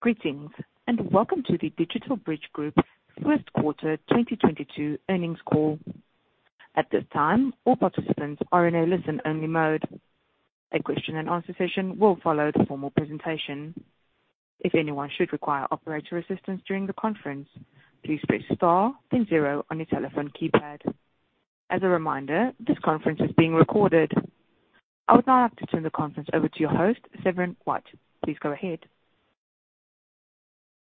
Greetings, and welcome to the DigitalBridge Group first quarter 2022 earnings call. At this time, all participants are in a listen-only mode. A question and answer session will follow the formal presentation. If anyone should require operator assistance during the conference, please press star then zero on your telephone keypad. As a reminder, this conference is being recorded. I would now like to turn the conference over to your host, Severin White. Please go ahead.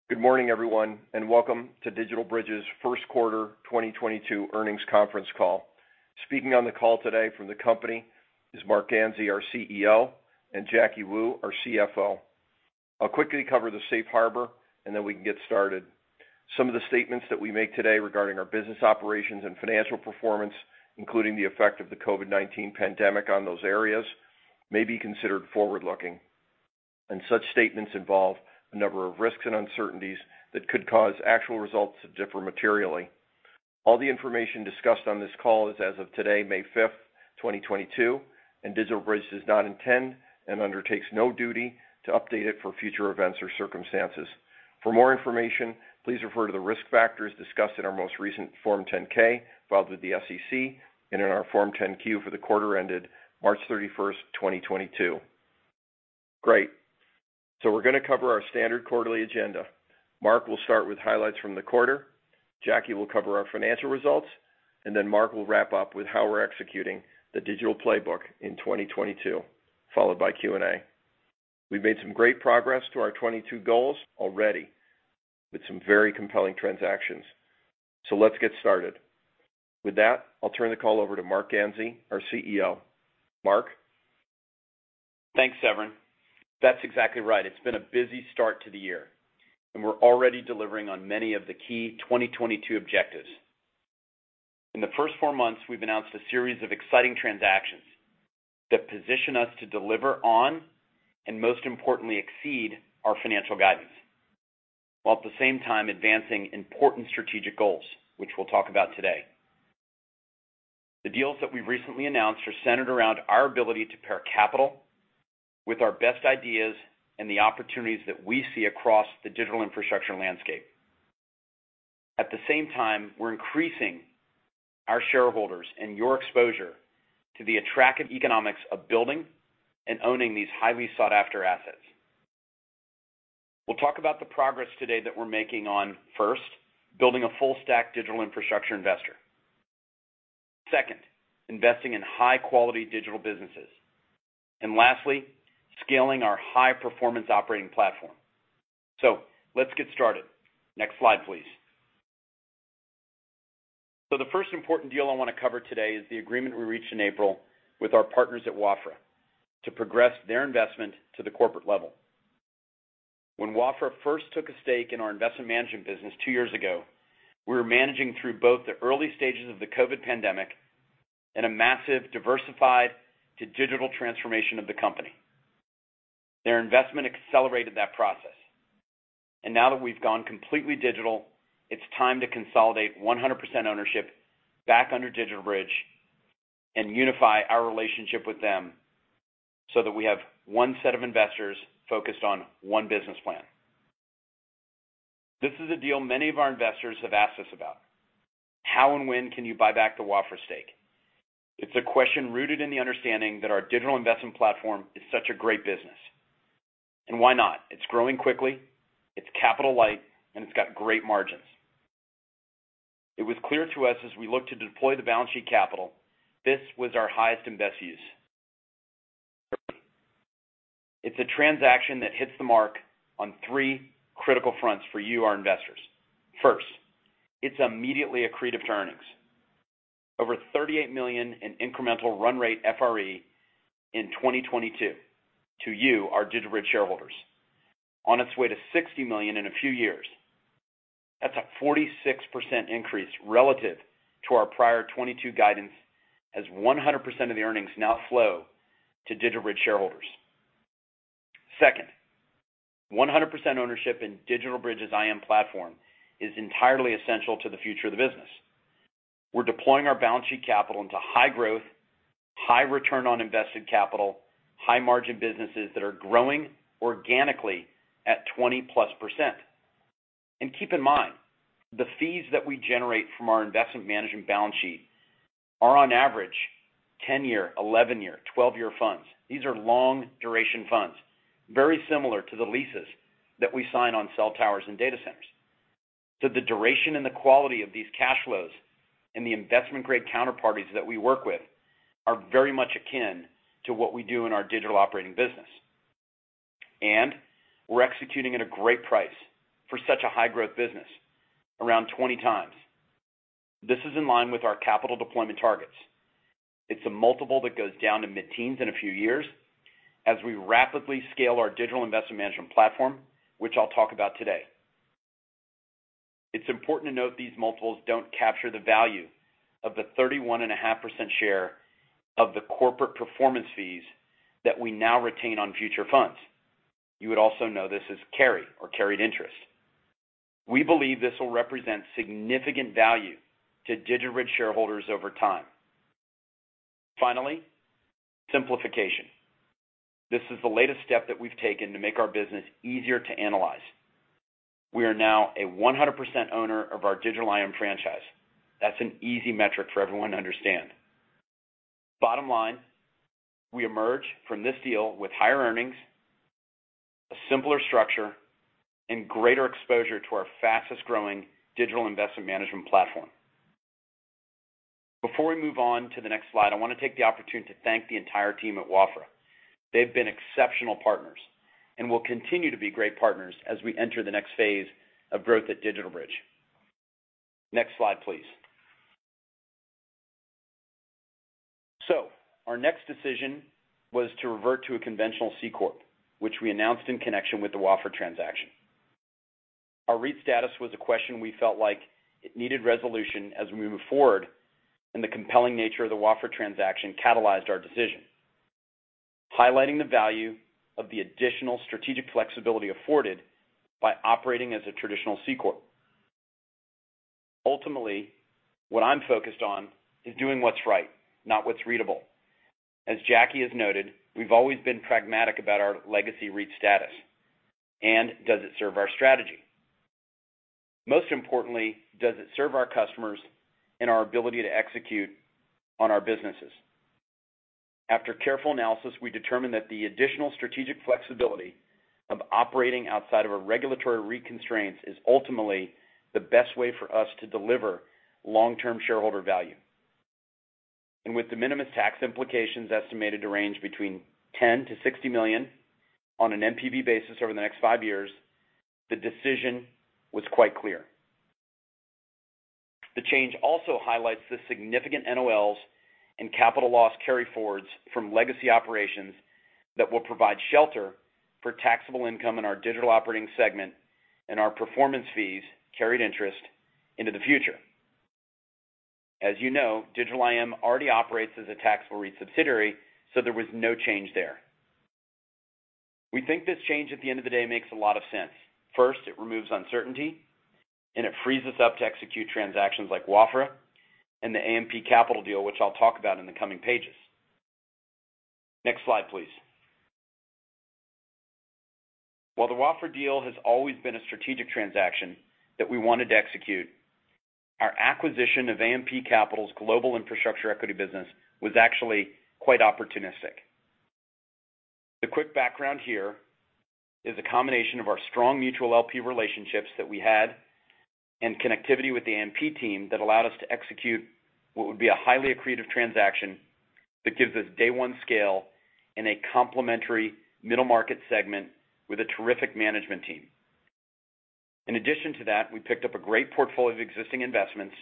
Good morning, everyone, and welcome to DigitalBridge's first quarter 2022 earnings conference call. Speaking on the call today from the company is Marc Ganzi, our CEO, and Jacky Wu, our CFO. I'll quickly cover the safe harbor and then we can get started. Some of the statements that we make today regarding our business operations and financial performance, including the effect of the COVID-19 pandemic on those areas, may be considered forward-looking, and such statements involve a number of risks and uncertainties that could cause actual results to differ materially. All the information discussed on this call is as of today, May 5, 2022, and DigitalBridge does not intend and undertakes no duty to update it for future events or circumstances. For more information, please refer to the risk factors discussed in our most recent Form 10-K filed with the SEC and in our Form 10-Q for the quarter ended March 31st, 2022. Great. We're gonna cover our standard quarterly agenda. Marc will start with highlights from the quarter. Jacky will cover our financial results, and then Marc will wrap up with how we're executing the Digital Playbook in 2022, followed by Q&A. We've made some great progress to our 2022 goals already with some very compelling transactions. Let's get started. With that, I'll turn the call over to Marc Ganzi, our CEO. Marc? Thanks, Severin. That's exactly right. It's been a busy start to the year, and we're already delivering on many of the key 2022 objectives. In the first four months, we've announced a series of exciting transactions that position us to deliver on, and most importantly, exceed our financial guidance, while at the same time advancing important strategic goals, which we'll talk about today. The deals that we've recently announced are centered around our ability to pair capital with our best ideas and the opportunities that we see across the digital infrastructure landscape. At the same time, we're increasing our shareholders and your exposure to the attractive economics of building and owning these highly sought-after assets. We'll talk about the progress today that we're making on, first, building a full-stack digital infrastructure investor. Second, investing in high-quality digital businesses. And lastly, scaling our high-performance operating platform. Let's get started. Next slide, please. The first important deal I want to cover today is the agreement we reached in April with our partners at Wafra to progress their investment to the corporate level. When Wafra first took a stake in our investment management business two years ago, we were managing through both the early stages of the COVID pandemic and a massive diversification to digital transformation of the company. Their investment accelerated that process. Now that we've gone completely digital, it's time to consolidate 100% ownership back under DigitalBridge and unify our relationship with them so that we have one set of investors focused on one business plan. This is a deal many of our investors have asked us about. How and when can you buy back the Wafra stake? It's a question rooted in the understanding that our digital investment platform is such a great business. Why not? It's growing quickly, it's capital light, and it's got great margins. It was clear to us as we looked to deploy the balance sheet capital, this was our highest and best use. It's a transaction that hits the mark on three critical fronts for you, our investors. First, it's immediately accretive to earnings. Over $38 million in incremental run-rate FRE in 2022 to you, our DigitalBridge shareholders, on its way to $60 million in a few years. That's a 46% increase relative to our prior 2022 guidance as 100% of the earnings now flow to DigitalBridge shareholders. Second, 100% ownership in DigitalBridge's IM platform is entirely essential to the future of the business. We're deploying our balance sheet capital into high growth, high return on invested capital, high margin businesses that are growing organically at 20%+. Keep in mind, the fees that we generate from our investment management balance sheet are on average 10-year, 11-year, 12-year funds. These are long duration funds, very similar to the leases that we sign on cell towers and data centers. The duration and the quality of these cash flows and the investment-grade counterparties that we work with are very much akin to what we do in our digital operating business. We're executing at a great price for such a high-growth business, around 20x. This is in line with our capital deployment targets. It's a multiple that goes down to mid-teens in a few years as we rapidly scale our digital investment management platform, which I'll talk about today. It's important to note these multiples don't capture the value of the 31.5% share of the corporate performance fees that we now retain on future funds. You would also know this as carry or carried interest. We believe this will represent significant value to DigitalBridge shareholders over time. Finally, simplification. This is the latest step that we've taken to make our business easier to analyze. We are now a 100% owner of our Digital IM franchise. That's an easy metric for everyone to understand. Bottom line, we emerge from this deal with higher earnings, a simpler structure, and greater exposure to our fastest-growing digital investment management platform. Before we move on to the next slide, I wanna take the opportunity to thank the entire team at Wafra. They've been exceptional partners, and will continue to be great partners as we enter the next phase of growth at DigitalBridge. Next slide, please. Our next decision was to revert to a conventional C-Corp, which we announced in connection with the Wafra transaction. Our REIT status was a question we felt like it needed resolution as we move forward, and the compelling nature of the Wafra transaction catalyzed our decision, highlighting the value of the additional strategic flexibility afforded by operating as a traditional C-Corp. Ultimately, what I'm focused on is doing what's right, not what's readable. As Jacky has noted, we've always been pragmatic about our legacy REIT status, and does it serve our strategy? Most importantly, does it serve our customers and our ability to execute on our businesses? After careful analysis, we determined that the additional strategic flexibility of operating outside of a regulatory REIT constraint is ultimately the best way for us to deliver long-term shareholder value. With de minimis tax implications estimated to range between $10 million-$60 million on an NPV basis over the next five years, the decision was quite clear. The change also highlights the significant NOLs and capital loss carryforwards from legacy operations that will provide shelter for taxable income in our digital operating segment and our performance fees, carried interest into the future. As you know, Digital IM already operates as a taxable REIT subsidiary, so there was no change there. We think this change at the end of the day makes a lot of sense. First, it removes uncertainty, and it frees us up to execute transactions like Wafra and the AMP Capital deal, which I'll talk about in the coming pages. Next slide, please. While the Wafra deal has always been a strategic transaction that we wanted to execute, our acquisition of AMP Capital's global infrastructure equity business was actually quite opportunistic. The quick background here is a combination of our strong mutual LP relationships that we had and connectivity with the AMP team that allowed us to execute what would be a highly accretive transaction that gives us day one scale in a complementary middle market segment with a terrific management team. In addition to that, we picked up a great portfolio of existing investments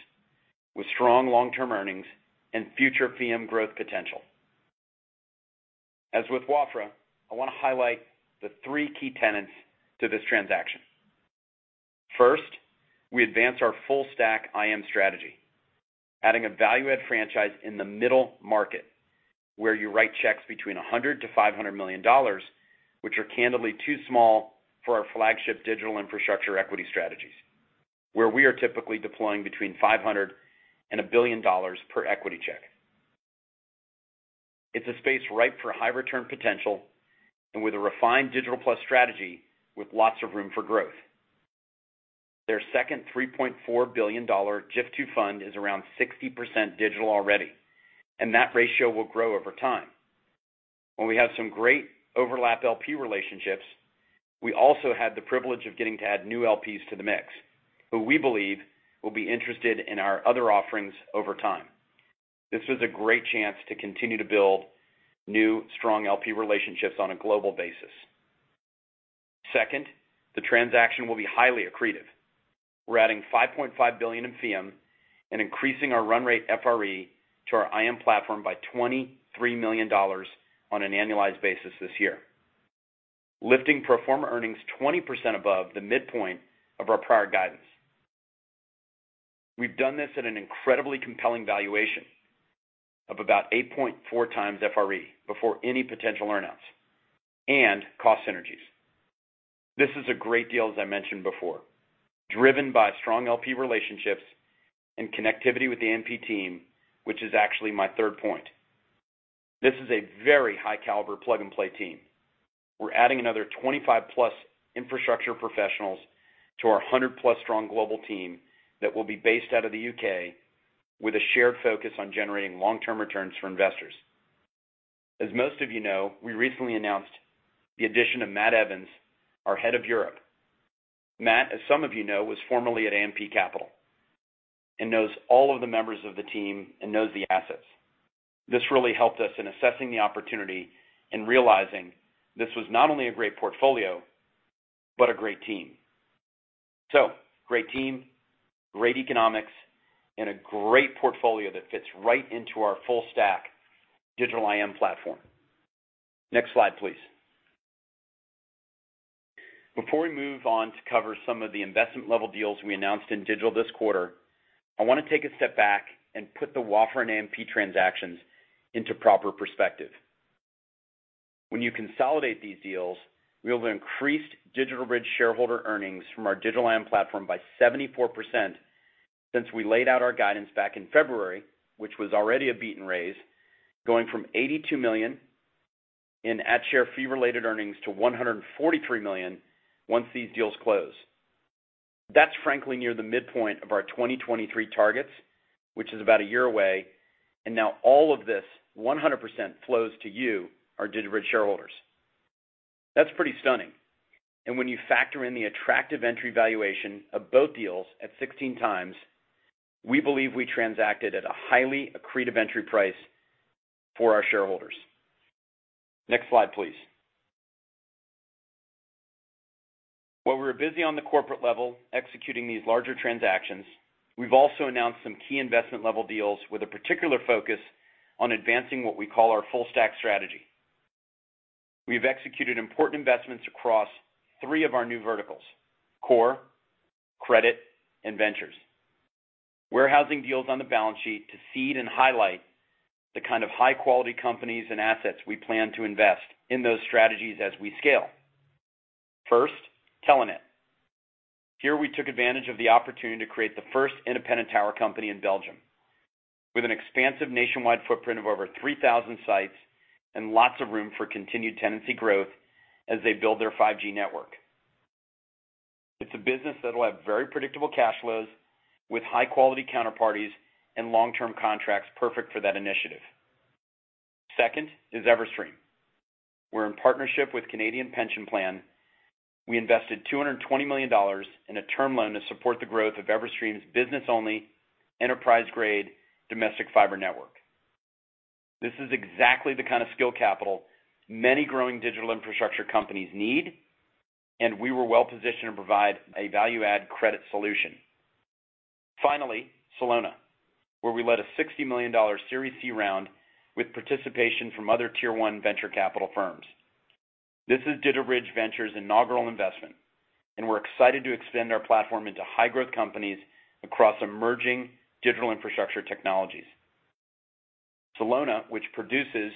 with strong long-term earnings and future FRE growth potential. As with Wafra, I wanna highlight the three key tenets to this transaction. First, we advance our full-stack IM strategy, adding a value add franchise in the middle market where you write checks between $100 million-$500 million, which are candidly too small for our flagship digital infrastructure equity strategies, where we are typically deploying between $500 million and $1 billion per equity check. It's a space ripe for high return potential and with a refined Digital Plus strategy with lots of room for growth. Their second $3.4 billion GIF II fund is around 60% digital already, and that ratio will grow over time. When we have some great overlap LP relationships, we also had the privilege of getting to add new LPs to the mix who we believe will be interested in our other offerings over time. This was a great chance to continue to build new strong LP relationships on a global basis. Second, the transaction will be highly accretive. We're adding $5.5 billion in FEEUM and increasing our run rate FRE to our IM platform by $23 million on an annualized basis this year, lifting pro forma earnings 20% above the midpoint of our prior guidance. We've done this at an incredibly compelling valuation of about 8.4x FRE before any potential earn-outs and cost synergies. This is a great deal, as I mentioned before, driven by strong LP relationships and connectivity with the AMP team, which is actually my third point. This is a very high caliber plug-and-play team. We're adding another 25+ infrastructure professionals to our 100+ strong global team that will be based out of the UK with a shared focus on generating long-term returns for investors. As most of you know, we recently announced the addition of Matt Evans, our Head of Europe. Matt, as some of you know, was formerly at AMP Capital and knows all of the members of the team and knows the assets. This really helped us in assessing the opportunity and realizing this was not only a great portfolio but a great team. Great team, great economics, and a great portfolio that fits right into our full stack Digital IM platform. Next slide, please. Before we move on to cover some of the investment level deals we announced in Digital this quarter, I wanna take a step back and put the Wafra and AMP transactions into proper perspective. When you consolidate these deals, we have increased DigitalBridge shareholder earnings from our Digital IM platform by 74% since we laid out our guidance back in February, which was already a beat and raise, going from $82 million in adjusted fee related earnings to $143 million once these deals close. That's frankly near the midpoint of our 2023 targets, which is about a year away. Now all of this 100% flows to you, our DigitalBridge shareholders. That's pretty stunning. When you factor in the attractive entry valuation of both deals at 16x, we believe we transacted at a highly accretive entry price for our shareholders. Next slide, please. While we're busy on the corporate level executing these larger transactions, we've also announced some key investment level deals with a particular focus on advancing what we call our full stack strategy. We've executed important investments across three of our new verticals: core, credit, and ventures. We're housing deals on the balance sheet to seed and highlight the kind of high-quality companies and assets we plan to invest in those strategies as we scale. First, Telenet. Here we took advantage of the opportunity to create the first independent tower company in Belgium. With an expansive nationwide footprint of over 3,000 sites and lots of room for continued tenancy growth as they build their 5G network. It's a business that will have very predictable cash flows with high-quality counterparties and long-term contracts perfect for that initiative. Second is Everstream. We're in partners`hip with Canada Pension Plan. We invested $220 million in a term loan to support the growth of Everstream's business-only enterprise-grade domestic fiber network. This is exactly the kind of scale capital many growing digital infrastructure companies need, and we were well positioned to provide a value-add credit solution. Finally, Celona, where we led a $60 million Series C round with participation from other tier one venture capital firms. This is DigitalBridge Ventures' inaugural investment, and we're excited to extend our platform into high-growth companies across emerging digital infrastructure technologies. Celona, which produces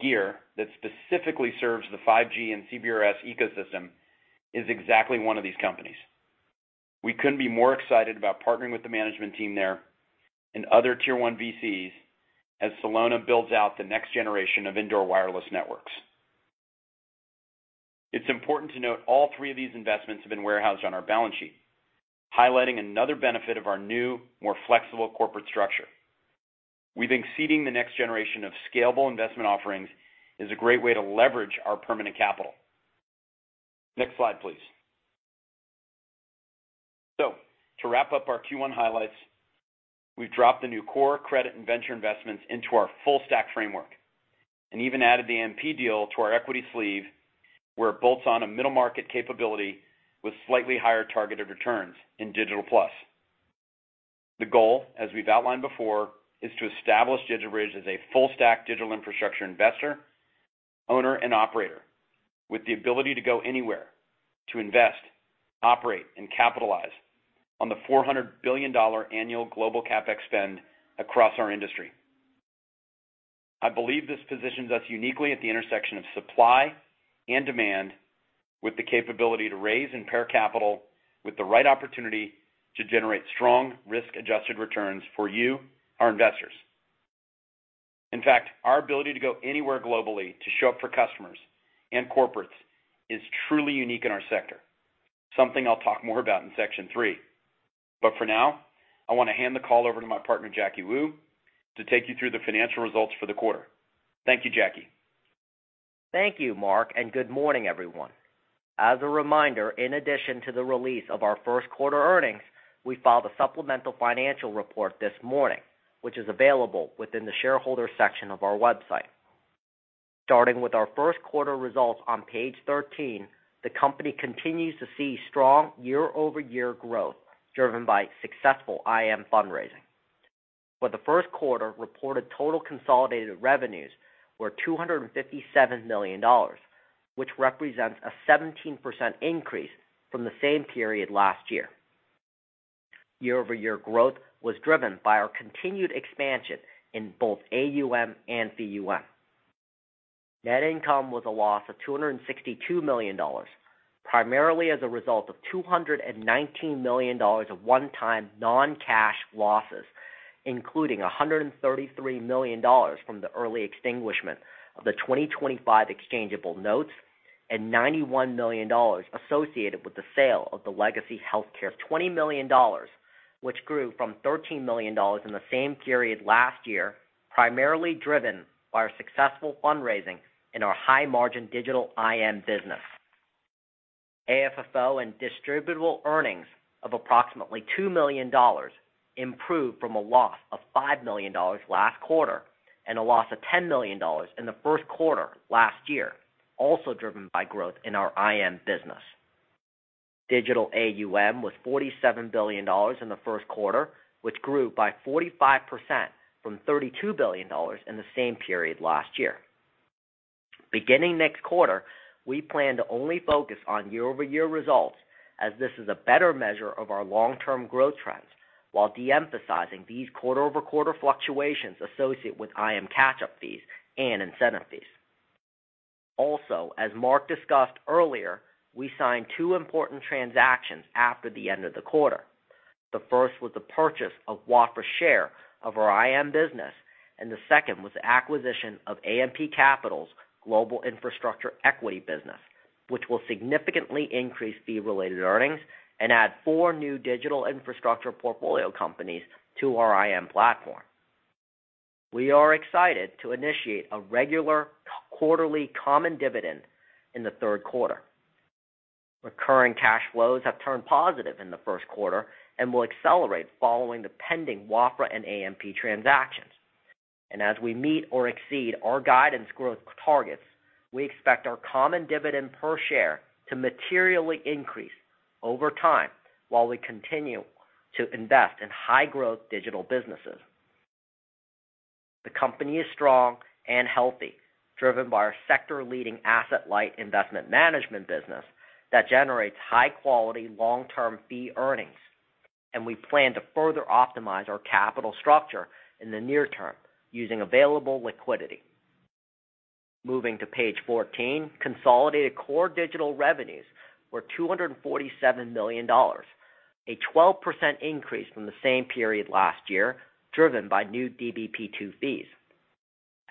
gear that specifically serves the 5G and CBRS ecosystem, is exactly one of these companies. We couldn't be more excited about partnering with the management team there and other tier one VCs as Celona builds out the next generation of indoor wireless networks. It's important to note all three of these investments have been warehoused on our balance sheet, highlighting another benefit of our new, more flexible corporate structure. We think seeding the next generation of scalable investment offerings is a great way to leverage our permanent capital. Next slide, please. To wrap up our Q1 highlights, we've dropped the new core credit and venture investments into our full stack framework and even added the AMP deal to our equity sleeve, where it bolts on a middle market capability with slightly higher targeted returns in Digital Plus. The goal, as we've outlined before, is to establish DigitalBridge as a full stack digital infrastructure investor, owner, and operator with the ability to go anywhere to invest, operate, and capitalize on the $400 billion annual global CapEx spend across our industry. I believe this positions us uniquely at the intersection of supply and demand, with the capability to raise and pair capital with the right opportunity to generate strong risk-adjusted returns for you, our investors. In fact, our ability to go anywhere globally to show up for customers and corporates is truly unique in our sector. Something I'll talk more about in section three. For now, I want to hand the call over to my partner, Jacky Wu, to take you through the financial results for the quarter. Thank you, Jacky. Thank you, Marc, and good morning, everyone. As a reminder, in addition to the release of our first quarter earnings, we filed a supplemental financial report this morning, which is available within the shareholder section of our website. Starting with our first quarter results on page 13, the company continues to see strong year-over-year growth driven by successful IM fundraising. For the first quarter, reported total consolidated revenues were $257 million, which represents a 17% increase from the same period last year. Year-over-year growth was driven by our continued expansion in both AUM and FEEUM. Net income was a loss of $262 million, primarily as a result of $219 million of one-time non-cash losses, including $133 million from the early extinguishment of the 2025 exchangeable notes and $91 million associated with the sale of the legacy healthcare. $20 million, which grew from $13 million in the same period last year, primarily driven by our successful fundraising in our high-margin Digital IM business. AFFO and distributable earnings of approximately $2 million improved from a loss of $5 million last quarter and a loss of $10 million in the first quarter last year, also driven by growth in our IM business. Digital AUM was $47 billion in the first quarter, which grew by 45% from $32 billion in the same period last year. Beginning next quarter, we plan to only focus on year-over-year results. As this is a better measure of our long-term growth trends while de-emphasizing these quarter-over-quarter fluctuations associated with IM catch-up fees and incentive fees. Also, as Marc discussed earlier, we signed two important transactions after the end of the quarter. The first was the purchase of Wafra's share of our IM business, and the second was the acquisition of AMP Capital's global infrastructure equity business, which will significantly increase fee-related earnings and add four new digital infrastructure portfolio companies to our IM platform. We are excited to initiate a regular quarterly common dividend in the third quarter. Recurring cash flows have turned positive in the first quarter and will accelerate following the pending Wafra and AMP transactions. As we meet or exceed our guidance growth targets, we expect our common dividend per share to materially increase over time while we continue to invest in high-growth digital businesses. The company is strong and healthy, driven by our sector-leading asset-light investment management business that generates high-quality, long-term fee earnings, and we plan to further optimize our capital structure in the near term using available liquidity. Moving to page 14, consolidated core digital revenues were $247 million, a 12% increase from the same period last year, driven by new DBP II fees.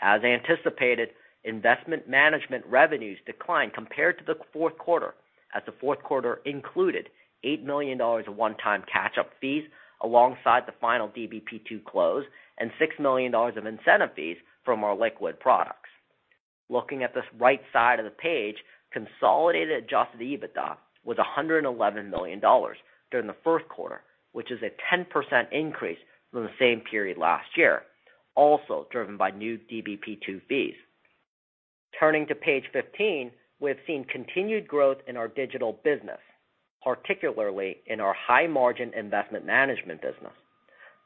As anticipated, investment management revenues declined compared to the fourth quarter, as the fourth quarter included $8 million of one-time catch-up fees alongside the final DBP II close and $6 million of incentive fees from our liquid products. Looking at this right side of the page, consolidated Adjusted EBITDA was $111 million during the first quarter, which is a 10% increase from the same period last year, also driven by new DBP II fees. Turning to page 15, we have seen continued growth in our digital business, particularly in our high-margin investment management business.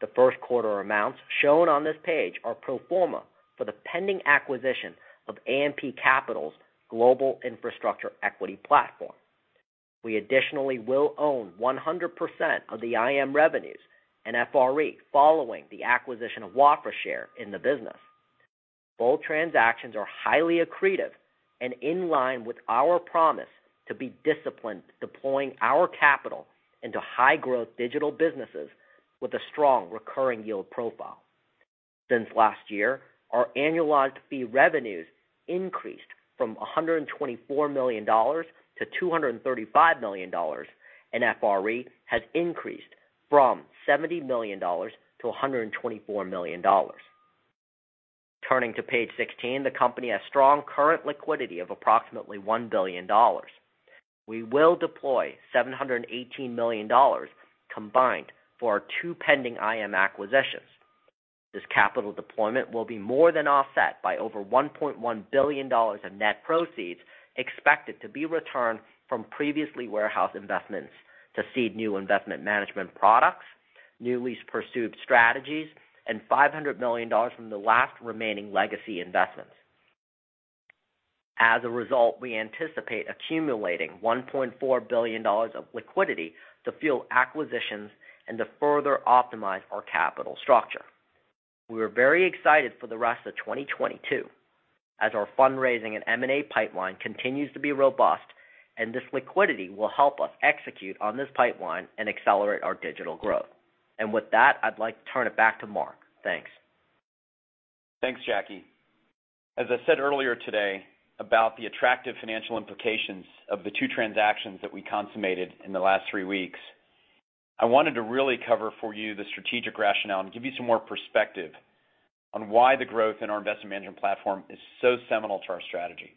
The first quarter amounts shown on this page are pro forma for the pending acquisition of AMP Capital's global infrastructure equity platform. We additionally will own 100% of the IM revenues and FRE following the acquisition of Wafra share in the business. Both transactions are highly accretive and in line with our promise to be disciplined, deploying our capital into high-growth digital businesses with a strong recurring yield profile. Since last year, our annualized fee revenues increased from $124 million-$235 million, and FRE has increased from $70 million-$124 million. Turning to page 16, the company has strong current liquidity of approximately $1 billion. We will deploy $718 million combined for our two pending IM acquisitions. This capital deployment will be more than offset by over $1.1 billion of net proceeds expected to be returned from previously warehoused investments to seed new investment management products, newly pursued strategies, and $500 million from the last remaining legacy investments. As a result, we anticipate accumulating $1.4 billion of liquidity to fuel acquisitions and to further optimize our capital structure. We are very excited for the rest of 2022, as our fundraising and M&A pipeline continues to be robust, and this liquidity will help us execute on this pipeline and accelerate our digital growth. With that, I'd like to turn it back to Marc. Thanks. Thanks, Jacky. As I said earlier today about the attractive financial implications of the two transactions that we consummated in the last three weeks, I wanted to really cover for you the strategic rationale and give you some more perspective on why the growth in our investment management platform is so seminal to our strategy.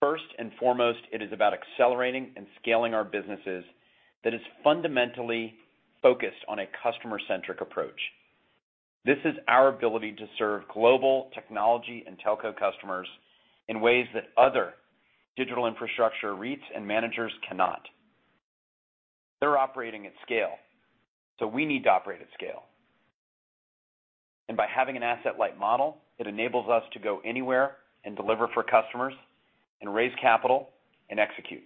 First and foremost, it is about accelerating and scaling our businesses that is fundamentally focused on a customer-centric approach. This is our ability to serve global technology and telco customers in ways that other digital infrastructure REITs and managers cannot. They're operating at scale, so we need to operate at scale. By having an asset-light model, it enables us to go anywhere and deliver for customers and raise capital and execute.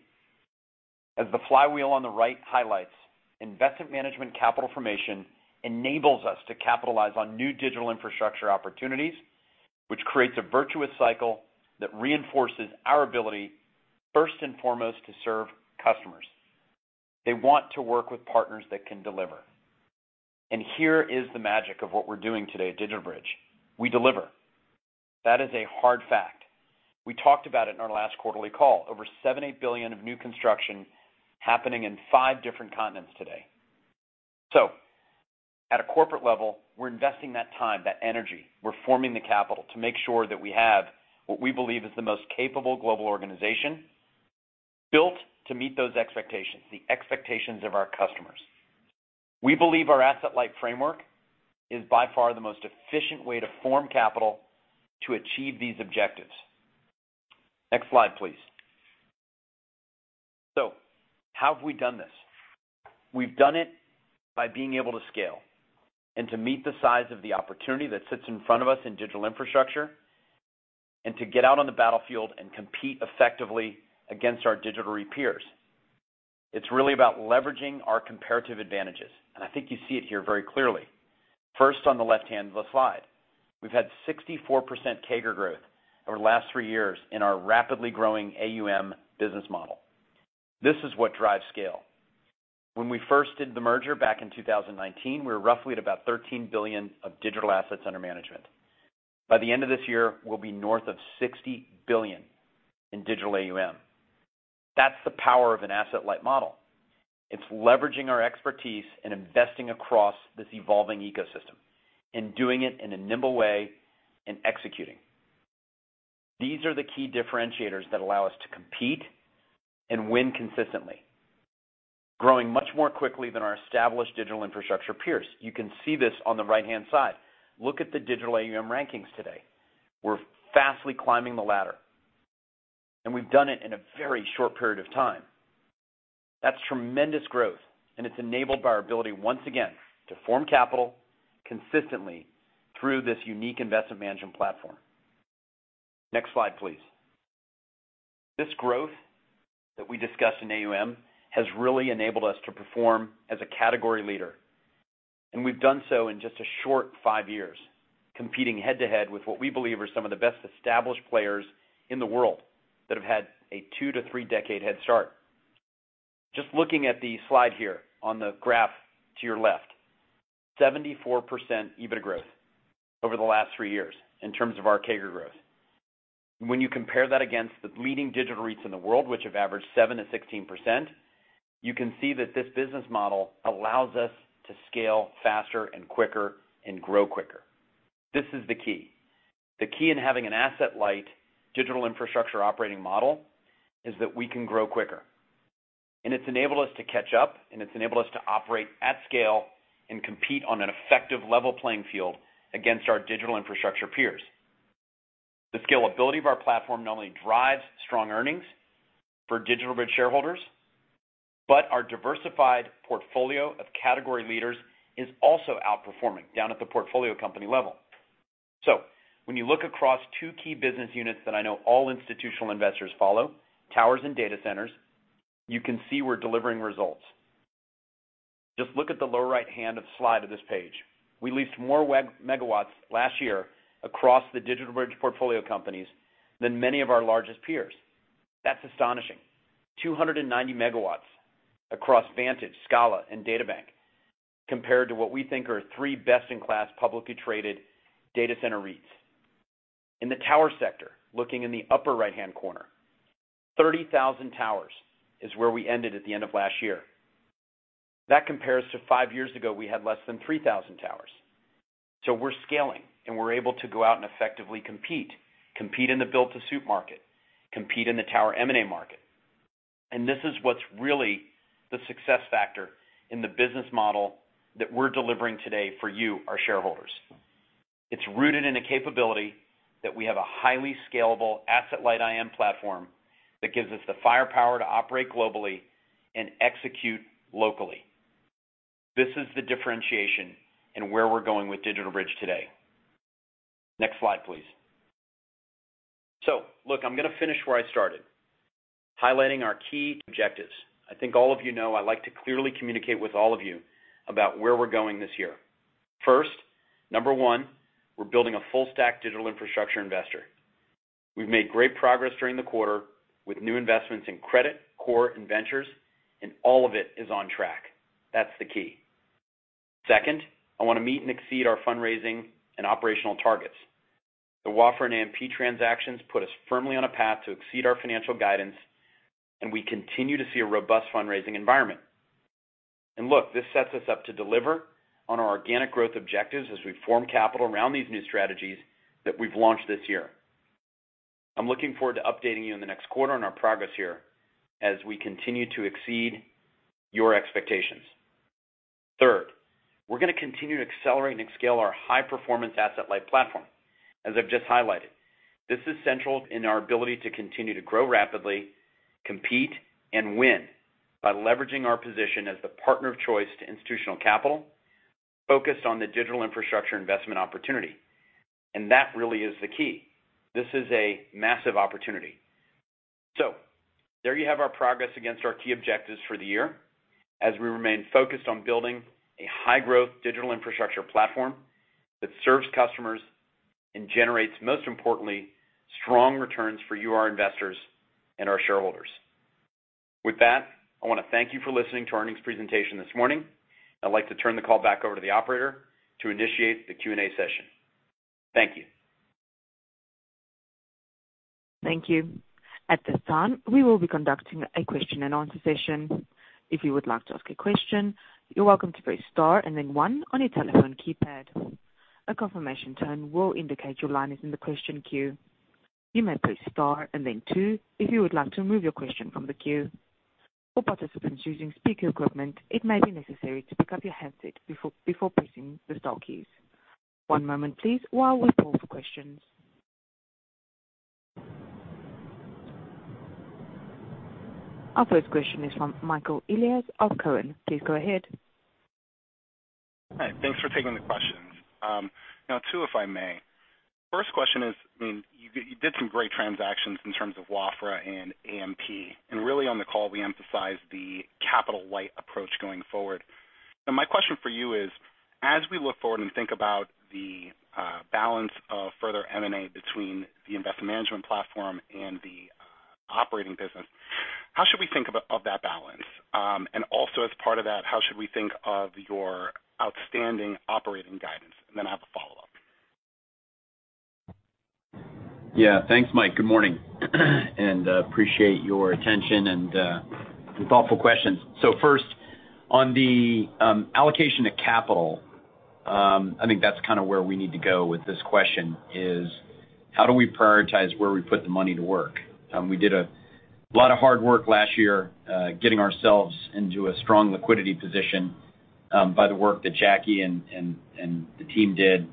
As the flywheel on the right highlights, investment management capital formation enables us to capitalize on new digital infrastructure opportunities, which creates a virtuous cycle that reinforces our ability, first and foremost, to serve customers. They want to work with partners that can deliver. Here is the magic of what we're doing today at DigitalBridge. We deliver. That is a hard fact. We talked about it in our last quarterly call. Over $7 billion-$8 billion of new construction happening in five different continents today. At a corporate level, we're investing that time, that energy. We're forming the capital to make sure that we have what we believe is the most capable global organization built to meet those expectations, the expectations of our customers. We believe our asset-light framework is by far the most efficient way to form capital to achieve these objectives. Next slide, please. How have we done this? We've done it by being able to scale and to meet the size of the opportunity that sits in front of us in digital infrastructure. To get out on the battlefield and compete effectively against our digital peers. It's really about leveraging our comparative advantages, and I think you see it here very clearly. First, on the left hand of the slide, we've had 64% CAGR growth over the last three years in our rapidly growing AUM business model. This is what drives scale. When we first did the merger back in 2019, we were roughly at about $13 billion of digital assets under management. By the end of this year, we'll be north of $60 billion in digital AUM. That's the power of an asset-light model. It's leveraging our expertise and investing across this evolving ecosystem and doing it in a nimble way and executing. These are the key differentiators that allow us to compete and win consistently, growing much more quickly than our established digital infrastructure peers. You can see this on the right-hand side. Look at the digital AUM rankings today. We're vastly climbing the ladder, and we've done it in a very short period of time. That's tremendous growth, and it's enabled by our ability, once again, to form capital consistently through this unique investment management platform. Next slide, please. This growth that we discussed in AUM has really enabled us to perform as a category leader, and we've done so in just a short five years, competing head to head with what we believe are some of the best established players in the world that have had a two to three decade head start. Just looking at the slide here on the graph to your left, 74% EBIT growth over the last three years in terms of our CAGR growth. When you compare that against the leading digital REITs in the world, which have averaged 7%-16%, you can see that this business model allows us to scale faster and quicker and grow quicker. This is the key. The key in having an asset-light digital infrastructure operating model is that we can grow quicker. It's enabled us to catch up, and it's enabled us to operate at scale and compete on an effective level playing field against our digital infrastructure peers. The scalability of our platform not only drives strong earnings for DigitalBridge shareholders, but our diversified portfolio of category leaders is also outperforming down at the portfolio company level. When you look across two key business units that I know all institutional investors follow, towers and data centers, you can see we're delivering results. Just look at the lower right-hand side of the slide of this page. We leased more megawatts last year across the DigitalBridge portfolio companies than many of our largest peers. That's astonishing. 290 megawatts across Vantage, Scala and DataBank compared to what we think are three best-in-class, publicly traded data center REITs. In the tower sector, looking in the upper right-hand corner, 30,000 towers is where we ended at the end of last year. That compares to five years ago, we had less than 3,000 towers. We're scaling, and we're able to go out and effectively compete in the build to suit market, compete in the tower M&A market. This is what's really the success factor in the business model that we're delivering today for you, our shareholders. It's rooted in a capability that we have a highly scalable asset-light IM platform that gives us the firepower to operate globally and execute locally. This is the differentiation in where we're going with DigitalBridge today. Next slide, please. Look, I'm gonna finish where I started, highlighting our key objectives. I think all of you know I like to clearly communicate with all of you about where we're going this year. First, number one, we're building a full stack digital infrastructure investor. We've made great progress during the quarter with new investments in credit, core and ventures, and all of it is on track. That's the key. Second, I want to meet and exceed our fundraising and operational targets. The Wafra and AMP transactions put us firmly on a path to exceed our financial guidance, and we continue to see a robust fundraising environment. Look, this sets us up to deliver on our organic growth objectives as we form capital around these new strategies that we've launched this year. I'm looking forward to updating you in the next quarter on our progress here as we continue to exceed your expectations. Third, we're gonna continue to accelerate and scale our high-performance asset-light platform. As I've just highlighted, this is central in our ability to continue to grow rapidly, compete, and win by leveraging our position as the partner of choice to institutional capital focused on the digital infrastructure investment opportunity. That really is the key. This is a massive opportunity. There you have our progress against our key objectives for the year as we remain focused on building a high-growth digital infrastructure platform that serves customers and generates, most importantly, strong returns for you, our investors and our shareholders. With that, I want to thank you for listening to our earnings presentation this morning. I'd like to turn the call back over to the operator to initiate the Q&A session. Thank you. Thank you. At this time, we will be conducting a question and answer session. If you would like to ask a question, you're welcome to press star and then one on your telephone keypad. A confirmation tone will indicate your line is in the question queue. You may press star and then two if you would like to remove your question from the queue. For participants using speaker equipment, it may be necessary to pick up your handset before pressing the star keys. One moment please while we pull for questions. Our first question is from Michael Elias of Cowen. Please go ahead. Hi. Thanks for taking the questions. Now, too, if I may. First question is, I mean, you did some great transactions in terms of Wafra and AMP. Really on the call, we emphasized the capital light approach going forward. Now, my question for you is, as we look forward and think about the balance of further M&A between the investment management platform and the operating business, how should we think about that balance? Also as part of that, how should we think of your outstanding operating guidance? Then I have a follow-up. Yeah. Thanks, Mike. Good morning. Appreciate your attention and thoughtful questions. First, on the allocation of capital, I think that's kind of where we need to go with this question is how do we prioritize where we put the money to work? We did a lot of hard work last year, getting ourselves into a strong liquidity position, by the work that Jacky and the team did.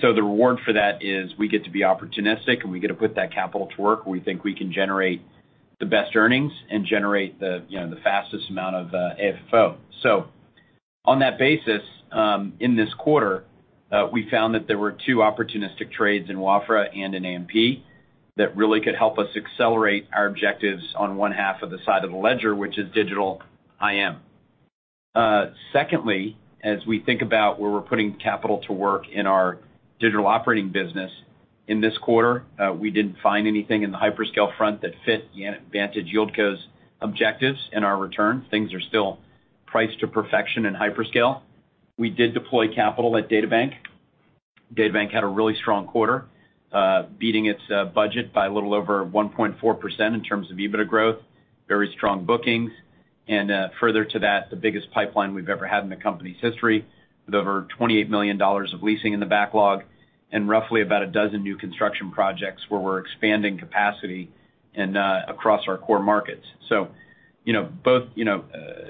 The reward for that is we get to be opportunistic, and we get to put that capital to work where we think we can generate the best earnings and generate the, you know, the fastest amount of AFFO. On that basis, in this quarter, we found that there were two opportunistic trades in Wafra and in AMP that really could help us accelerate our objectives on one half of the side of the ledger, which is Digital IM. Secondly, as we think about where we're putting capital to work in our digital operating business, in this quarter, we didn't find anything in the hyperscale front that fit Vantage YieldCo's objectives and our return. Things are still priced to perfection in hyperscale. We did deploy capital at DataBank. DataBank had a really strong quarter, beating its budget by a little over 1.4% in terms of EBITDA growth, very strong bookings. Further to that, the biggest pipeline we've ever had in the company's history, with over $28 million of leasing in the backlog and roughly about a dozen new construction projects where we're expanding capacity and across our core markets. You know, both, you know,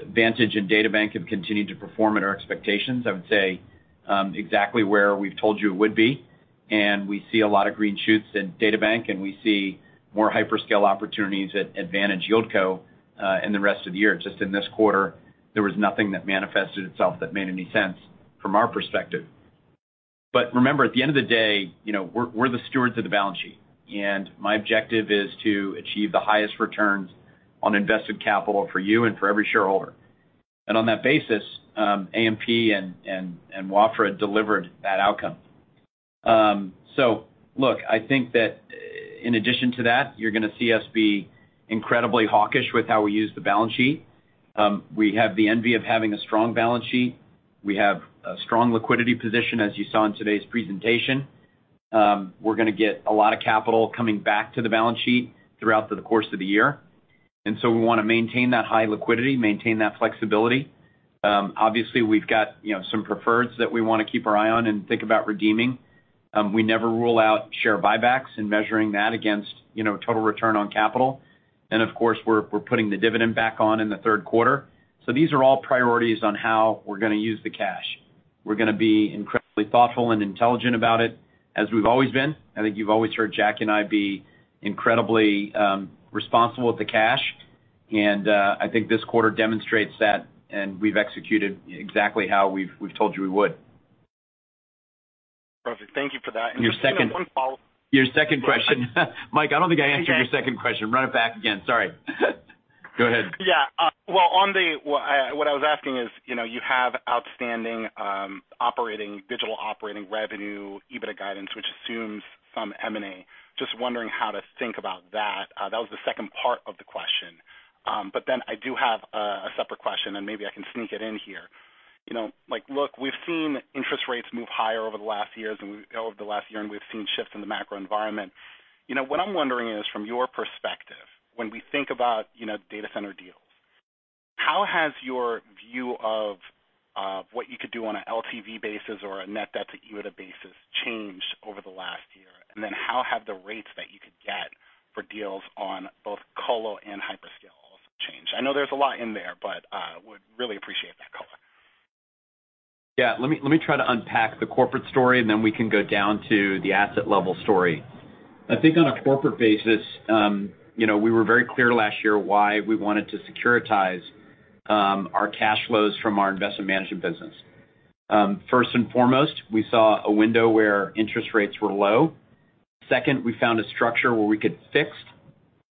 Vantage and DataBank have continued to perform at our expectations. I would say exactly where we've told you it would be, and we see a lot of green shoots in DataBank, and we see more hyperscale opportunities at Vantage YieldCo in the rest of the year. Just in this quarter, there was nothing that manifested itself that made any sense from our perspective. Remember, at the end of the day, you know, we're the stewards of the balance sheet, and my objective is to achieve the highest returns on invested capital for you and for every shareholder. On that basis, AMP and Wafra delivered that outcome. Look, I think that in addition to that, you're gonna see us be incredibly hawkish with how we use the balance sheet. We have the envy of having a strong balance sheet. We have a strong liquidity position, as you saw in today's presentation. We're gonna get a lot of capital coming back to the balance sheet throughout the course of the year, and we wanna maintain that high liquidity, maintain that flexibility. Obviously, we've got, you know, some preferreds that we wanna keep our eye on and think about redeeming. We never rule out share buybacks and measuring that against, you know, total return on capital. Of course, we're putting the dividend back on in the third quarter. These are all priorities on how we're gonna use the cash. We're gonna be incredibly thoughtful and intelligent about it, as we've always been. I think you've always heard Jacky and I be incredibly responsible with the cash, and I think this quarter demonstrates that, and we've executed exactly how we've told you we would. Perfect. Thank you for that. Your second Just one follow-up. Your second question. Mike, I don't think I answered your second question. Run it back again. Sorry. Go ahead. Yeah. Well, what I was asking is, you know, you have outstanding digital operating revenue, EBITDA guidance, which assumes some M&A. Just wondering how to think about that. That was the second part of the question. I do have a separate question, and maybe I can sneak it in here. You know, like, look, we've seen interest rates move higher over the last year, and we've seen shifts in the macro environment. You know, what I'm wondering is, from your perspective, when we think about, you know, data center deals, how has your view of what you could do on a LTV basis or a net debt-to-EBITDA basis changed over the last year? How have the rates that you could get for deals on both colo and hyperscale also changed? I know there's a lot in there, but would really appreciate that color. Yeah. Let me try to unpack the corporate story, and then we can go down to the asset level story. I think on a corporate basis, you know, we were very clear last year why we wanted to securitize our cash flows from our investment management business. First and foremost, we saw a window where interest rates were low. Second, we found a structure where we could fix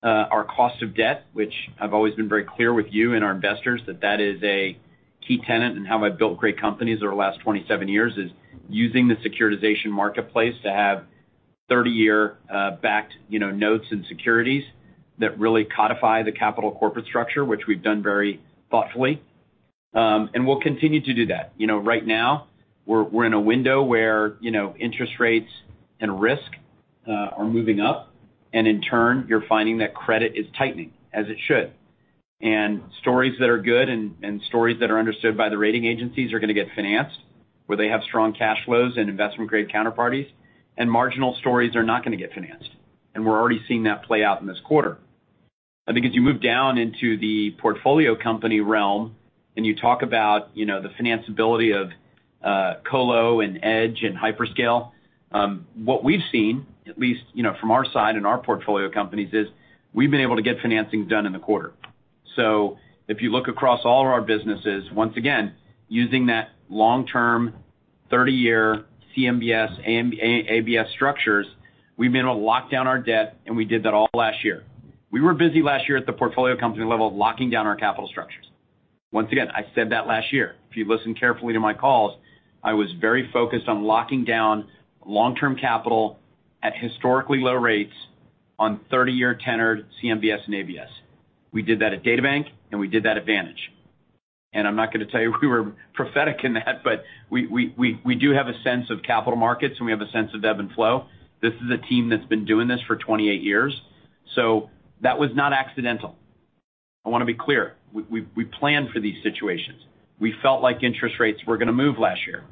our cost of debt, which I've always been very clear with you and our investors that that is a key tenet in how I've built great companies over the last 27 years, is using the securitization marketplace to have 30-year backed, you know, notes and securities that really codify the capital corporate structure, which we've done very thoughtfully. We'll continue to do that. You know, right now we're in a window where, you know, interest rates and risk are moving up, and in turn, you're finding that credit is tightening, as it should. Stories that are good and stories that are understood by the rating agencies are gonna get financed, where they have strong cash flows and investment-grade counterparties. Marginal stories are not gonna get financed, and we're already seeing that play out in this quarter. I think as you move down into the portfolio company realm and you talk about, you know, the financability of colo and edge and hyperscale. What we've seen, at least, you know, from our side and our portfolio companies is we've been able to get financing done in the quarter. If you look across all of our businesses, once again, using that long-term 30-year CMBS and ABS structures, we've been able to lock down our debt, and we did that all last year. We were busy last year at the portfolio company level of locking down our capital structures. Once again, I said that last year. If you listen carefully to my calls, I was very focused on locking down long-term capital at historically low rates on 30-year tenored CMBS and ABS. We did that at DataBank, and we did that at Vantage. I'm not gonna tell you we were prophetic in that, but we do have a sense of capital markets, and we have a sense of ebb and flow. This is a team that's been doing this for 28 years. That was not accidental. I wanna be clear. We planned for these situations. We felt like interest rates were gonna move last year.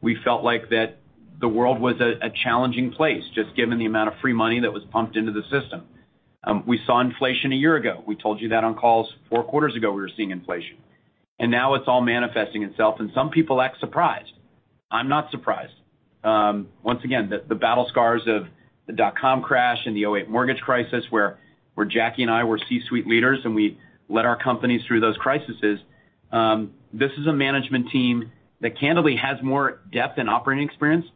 We felt like that the world was a challenging place just given the amount of free money that was pumped into the system. We saw inflation a year ago. We told you that on calls four quarters ago we were seeing inflation. Now it's all manifesting itself, and some people act surprised. I'm not surprised. Once again, the battle scars of the dot-com crash and the 2008 mortgage crisis where Jacky and I were C-suite leaders, and we led our companies through those crises. This is a management team that candidly has more depth and operating experience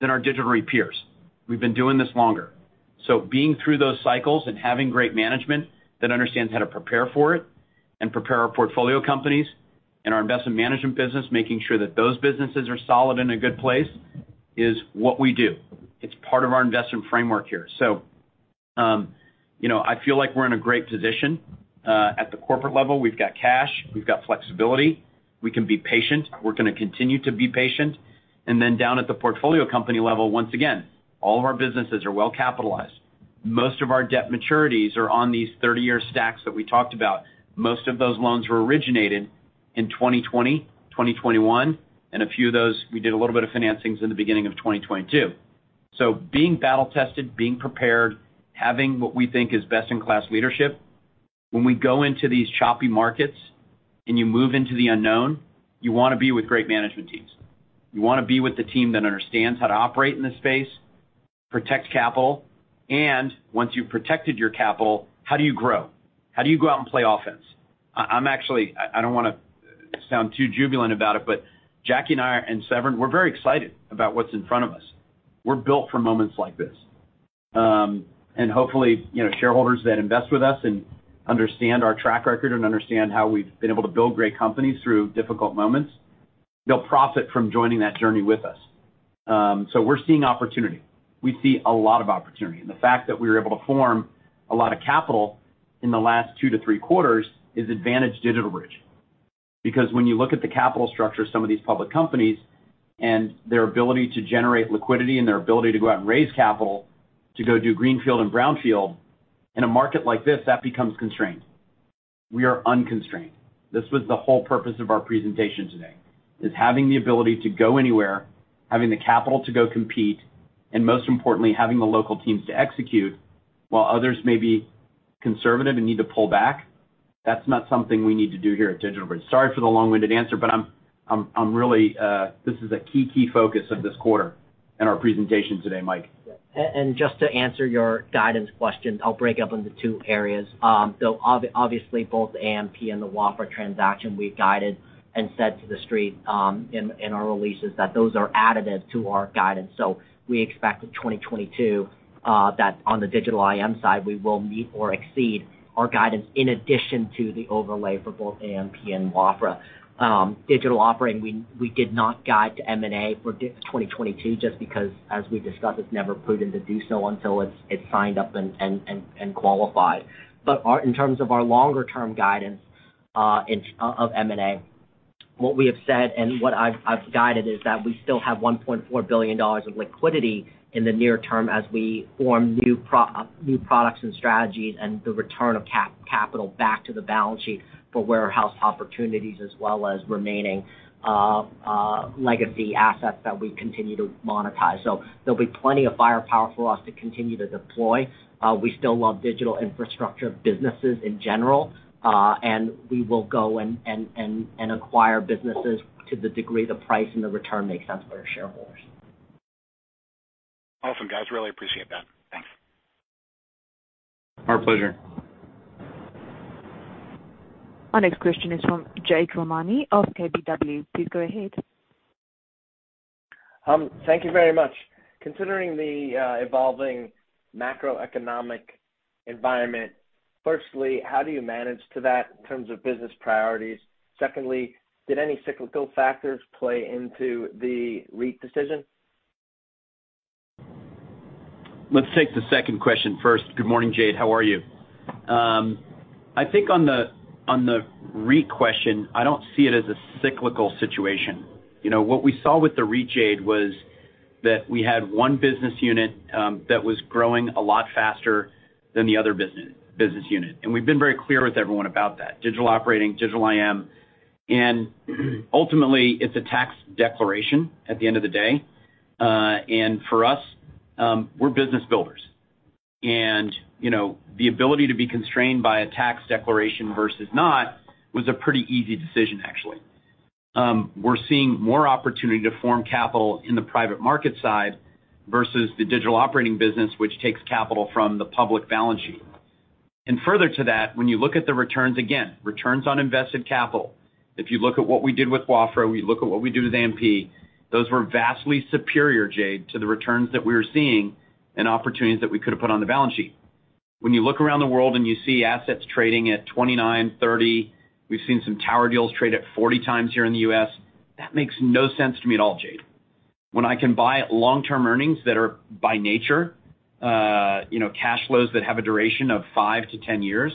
than our digital peers. We've been doing this longer. Being through those cycles and having great management that understands how to prepare for it and prepare our portfolio companies and our investment management business, making sure that those businesses are solid in a good place, is what we do. It's part of our investment framework here. You know, I feel like we're in a great position. At the corporate level, we've got cash. We've got flexibility. We can be patient. We're gonna continue to be patient. Down at the portfolio company level, once again, all of our businesses are well capitalized. Most of our debt maturities are on these 30-year stacks that we talked about. Most of those loans were originated in 2020, 2021, and a few of those we did a little bit of financings in the beginning of 2022. Being battle tested, being prepared, having what we think is best in class leadership, when we go into these choppy markets and you move into the unknown, you wanna be with great management teams. You wanna be with the team that understands how to operate in this space, protect capital, and once you've protected your capital, how do you grow? How do you go out and play offense? I'm actually. I don't wanna sound too jubilant about it, but Jacky and I are, and Severin, we're very excited about what's in front of us. We're built for moments like this. Hopefully, you know, shareholders that invest with us and understand our track record and understand how we've been able to build great companies through difficult moments, they'll profit from joining that journey with us. We're seeing opportunity. We see a lot of opportunity. The fact that we were able to raise a lot of capital in the last two to three quarters is advantage DigitalBridge. Because when you look at the capital structure of some of these public companies and their ability to generate liquidity and their ability to go out and raise capital to go do greenfield and brownfield, in a market like this, that becomes constrained. We are unconstrained. This was the whole purpose of our presentation today, is having the ability to go anywhere, having the capital to go compete, and most importantly, having the local teams to execute while others may be conservative and need to pull back. That's not something we need to do here at DigitalBridge. Sorry for the long-winded answer, but I'm really, this is a key focus of this quarter and our presentation today, Mike. Just to answer your guidance question, I'll break up into two areas. Obviously, both AMP and the Wafra transaction we've guided and said to the street, in our releases that those are additive to our guidance. We expected 2022, that on the Digital IM side, we will meet or exceed our guidance in addition to the overlay for both AMP and Wafra. Digital Operating, we did not guide to M&A for 2022 just because, as we discussed, it's never prudent to do so until it's signed up and qualified. In terms of our longer term guidance of M&A, what we have said and what I've guided is that we still have $1.4 billion of liquidity in the near term as we form new products and strategies and the return of capital back to the balance sheet for warehouse opportunities as well as remaining legacy assets that we continue to monetize. There'll be plenty of firepower for us to continue to deploy. We still love digital infrastructure businesses in general, and we will go and acquire businesses to the degree the price and the return makes sense for our shareholders. Awesome, guys. Really appreciate that. Thanks. Our pleasure. Our next question is from Jade Rahmani of KBW. Please go ahead. Thank you very much. Considering the evolving macroeconomic environment, firstly, how do you manage that in terms of business priorities? Secondly, did any cyclical factors play into the REIT decision? Let's take the second question first. Good morning, Jade. How are you? I think on the REIT question, I don't see it as a cyclical situation. You know, what we saw with the REIT, Jade, was that we had one business unit that was growing a lot faster than the other business unit, and we've been very clear with everyone about that, Digital Operating, Digital IM. Ultimately, it's a tax declaration at the end of the day. For us, we're business builders. You know, the ability to be constrained by a tax declaration versus not was a pretty easy decision, actually. We're seeing more opportunity to form capital in the private market side versus the digital operating business, which takes capital from the public balance sheet. Further to that, when you look at the returns, again, returns on invested capital, if you look at what we did with Wafra, we look at what we do with AMP, those were vastly superior, Jade, to the returns that we were seeing and opportunities that we could have put on the balance sheet. When you look around the world and you see assets trading at 29, 30, we've seen some tower deals trade at 40x here in the U.S., that makes no sense to me at all, Jade. When I can buy long-term earnings that are by nature, cash flows that have a duration of five to 10 years,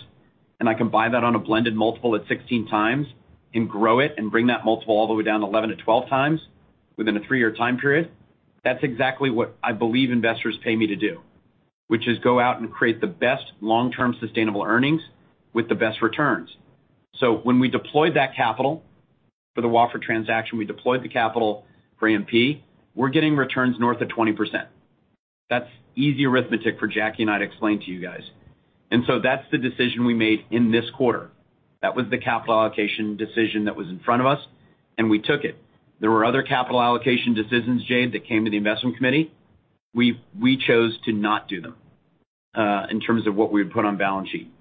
and I can buy that on a blended multiple at 16x and grow it and bring that multiple all the way down to 11-12x within a three-year time period, that's exactly what I believe investors pay me to do, which is go out and create the best long-term sustainable earnings with the best returns. When we deployed that capital for the Wafra transaction, we deployed the capital for AMP. We're getting returns north of 20%. That's easy arithmetic for Jacky and I to explain to you guys. That's the decision we made in this quarter. That was the capital allocation decision that was in front of us, and we took it. There were other capital allocation decisions, Jade, that came to the investment committee. We chose to not do them in terms of what we had put on balance sheet.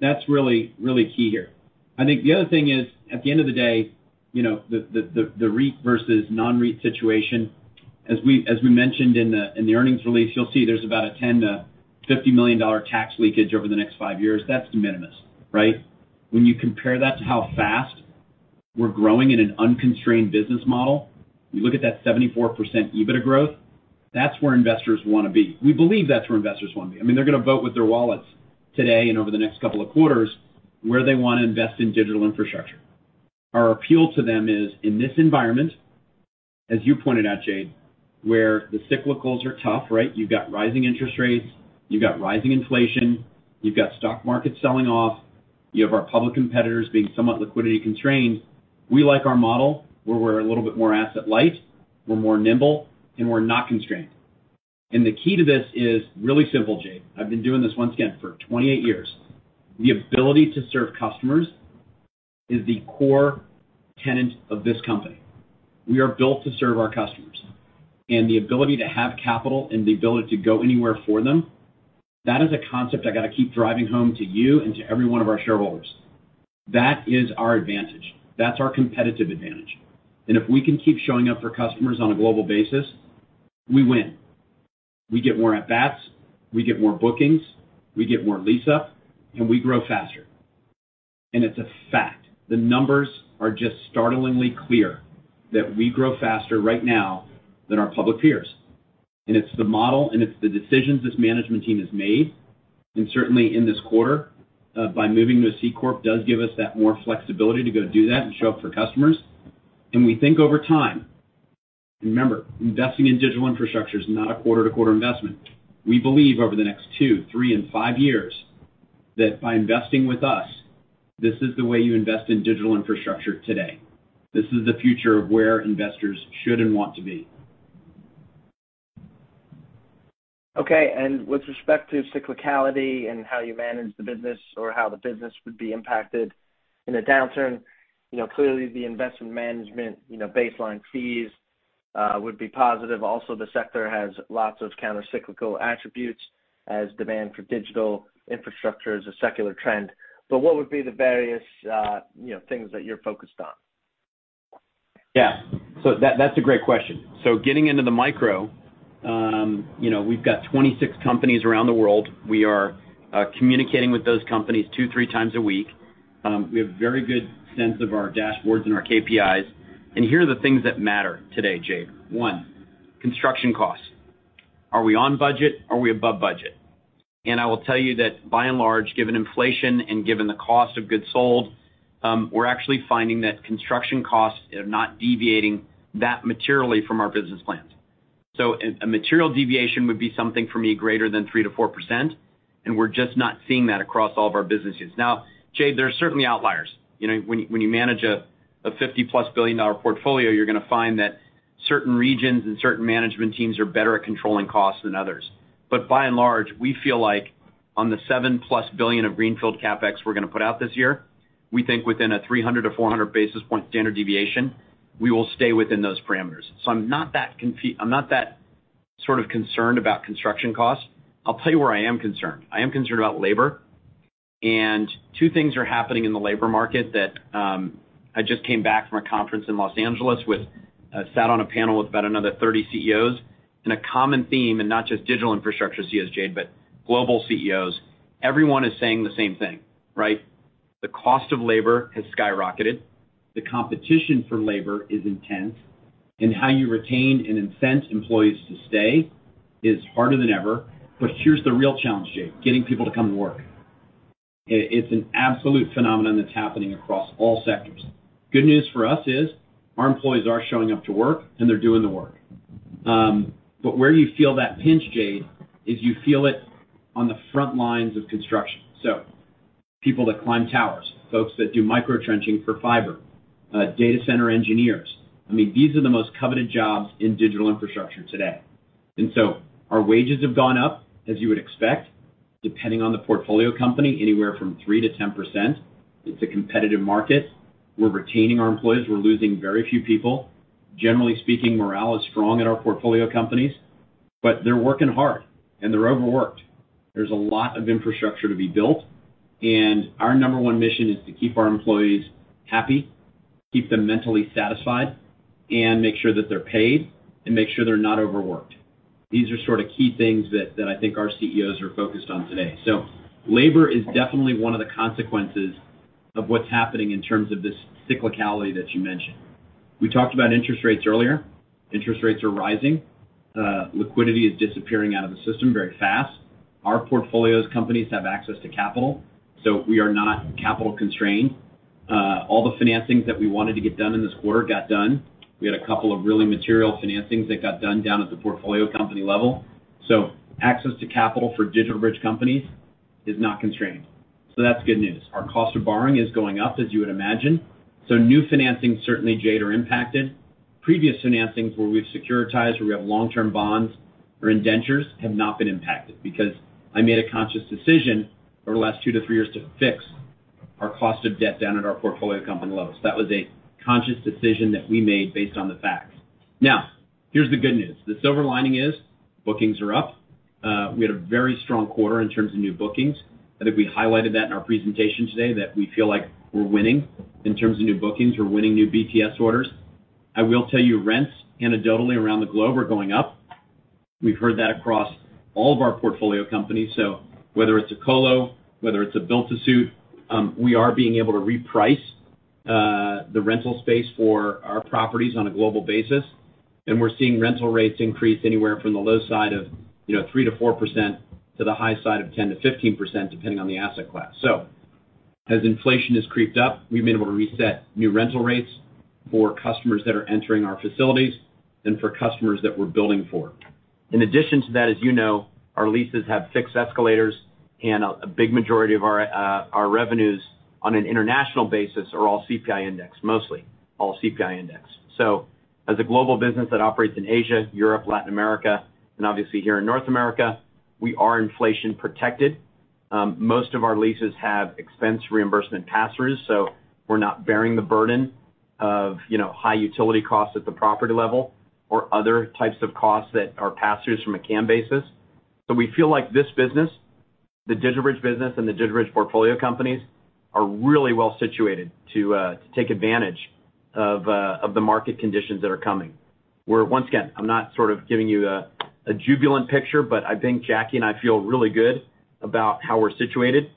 That's really, really key here. I think the other thing is, at the end of the day, you know, the REIT versus non-REIT situation, as we mentioned in the earnings release, you'll see there's about a $10 million-$50 million tax leakage over the next five years. That's de minimis, right? When you compare that to how fast we're growing in an unconstrained business model, you look at that 74% EBITDA growth, that's where investors wanna be. We believe that's where investors wanna be. I mean, they're gonna vote with their wallets today and over the next couple of quarters where they wanna invest in digital infrastructure. Our appeal to them is, in this environment, as you pointed out, Jade, where the cyclicals are tough, right? You've got rising interest rates, you've got rising inflation, you've got stock markets selling off, you've got our public competitors being somewhat liquidity-constrained. We like our model where we're a little bit more asset light, we're more nimble, and we're not constrained. The key to this is really simple, Jade. I've been doing this, once again, for 28 years. The ability to serve customers is the core tenet of this company. We are built to serve our customers. The ability to have capital and the ability to go anywhere for them, that is a concept I got to keep driving home to you and to every one of our shareholders. That is our advantage. That's our competitive advantage. If we can keep showing up for customers on a global basis, we win. We get more at bats, we get more bookings, we get more lease up, and we grow faster. It's a fact. The numbers are just startlingly clear that we grow faster right now than our public peers. It's the model, and it's the decisions this management team has made. Certainly, in this quarter, by moving to a C-Corp does give us that more flexibility to go do that and show up for customers. We think over time. Remember, investing in digital infrastructure is not a quarter-to-quarter investment. We believe over the next two, three, and five years that by investing with us, this is the way you invest in digital infrastructure today. This is the future of where investors should and want to be. Okay. With respect to cyclicality and how you manage the business or how the business would be impacted in a downturn, you know, clearly the investment management, you know, baseline fees would be positive. Also, the sector has lots of countercyclical attributes as demand for digital infrastructure is a secular trend. What would be the various, you know, things that you're focused on? Yeah. That's a great question. Getting into the micro, you know, we've got 26 companies around the world. We are communicating with those companies 2-3x a week. We have very good sense of our dashboards and our KPIs. Here are the things that matter today, Jade. One, construction costs. Are we on budget? Are we above budget? I will tell you that by and large, given inflation and given the cost of goods sold, we're actually finding that construction costs are not deviating that materially from our business plans. A material deviation would be something for me greater than 3%-4%, and we're just not seeing that across all of our businesses. Now, Jade, there are certainly outliers. You know, when you manage a $50+ billion portfolio, you're gonna find that certain regions and certain management teams are better at controlling costs than others. By and large, we feel like on the $7+ billion of greenfield CapEx we're gonna put out this year, we think within a 300-400 basis point standard deviation, we will stay within those parameters. I'm not that sort of concerned about construction costs. I'll tell you where I am concerned. I am concerned about labor. Two things are happening in the labor market that I just came back from a conference in Los Angeles. I sat on a panel with about another thirty CEOs, and a common theme, and not just digital infrastructure CEOs, Jade, but global CEOs, everyone is saying the same thing, right? The cost of labor has skyrocketed. The competition for labor is intense, and how you retain and incent employees to stay is harder than ever. But here's the real challenge, Jade, getting people to come to work. It's an absolute phenomenon that's happening across all sectors. Good news for us is our employees are showing up to work and they're doing the work. But where you feel that pinch, Jade, is you feel it on the front lines of construction. People that climb towers, folks that do microtrenching for fiber, data center engineers. I mean, these are the most coveted jobs in digital infrastructure today. Our wages have gone up, as you would expect, depending on the portfolio company, anywhere from 3%-10%. It's a competitive market. We're retaining our employees. We're losing very few people. Generally speaking, morale is strong at our portfolio companies, but they're working hard, and they're overworked. There's a lot of infrastructure to be built, and our number one mission is to keep our employees happy, keep them mentally satisfied, and make sure that they're paid and make sure they're not overworked. These are sort of key things that I think our CEOs are focused on today. Labor is definitely one of the consequences of what's happening in terms of this cyclicality that you mentioned. We talked about interest rates earlier. Interest rates are rising. Liquidity is disappearing out of the system very fast. Our portfolio companies have access to capital, so we are not capital constrained. All the financings that we wanted to get done in this quarter got done. We had a couple of really material financings that got done down at the portfolio company level. Access to capital for DigitalBridge companies is not constrained. That's good news. Our cost of borrowing is going up, as you would imagine. New financings certainly, Jade, are impacted. Previous financings where we've securitized, where we have long-term bonds or indentures, have not been impacted because I made a conscious decision over the last two to three years to fix our cost of debt down at our portfolio company levels. That was a conscious decision that we made based on the facts. Now, here's the good news. The silver lining is bookings are up. We had a very strong quarter in terms of new bookings. I think we highlighted that in our presentation today, that we feel like we're winning in terms of new bookings. We're winning new BTS orders. I will tell you rents anecdotally around the globe are going up. We've heard that across all of our portfolio companies. Whether it's a colo, whether it's a built to suit, we are being able to reprice the rental space for our properties on a global basis. We're seeing rental rates increase anywhere from the low side of, you know, 3%-4% to the high side of 10%-15%, depending on the asset class. As inflation has crept up, we've been able to reset new rental rates for customers that are entering our facilities and for customers that we're building for. In addition to that, as you know, our leases have fixed escalators and a big majority of our revenues on an international basis are all CPI-indexed, mostly all CPI-indexed. As a global business that operates in Asia, Europe, Latin America, and obviously here in North America, we are inflation protected. Most of our leases have expense reimbursement pass-throughs, so we're not bearing the burden of, you know, high utility costs at the property level or other types of costs that are pass-throughs from a CAM basis. We feel like this business, the DigitalBridge business and the DigitalBridge portfolio companies, are really well situated to take advantage of the market conditions that are coming. Once again, I'm not sort of giving you a jubilant picture, but I think Jacky and I feel really good about how we're situated,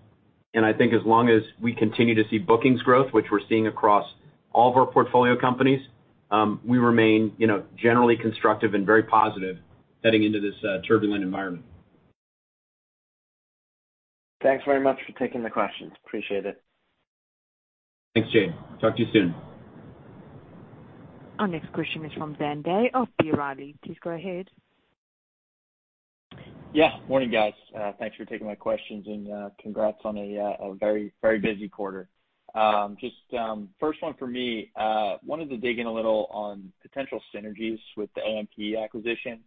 and I think as long as we continue to see bookings growth, which we're seeing across all of our portfolio companies, we remain, you know, generally constructive and very positive heading into this turbulent environment. Thanks very much for taking the questions. Appreciate it. Thanks, Jade. Talk to you soon. Our next question is from Dan Day of B. Riley. Please go ahead. Morning, guys. Thanks for taking my questions and, congrats on a very busy quarter. Just, first one for me, wanted to dig in a little on potential synergies with the AMP acquisition.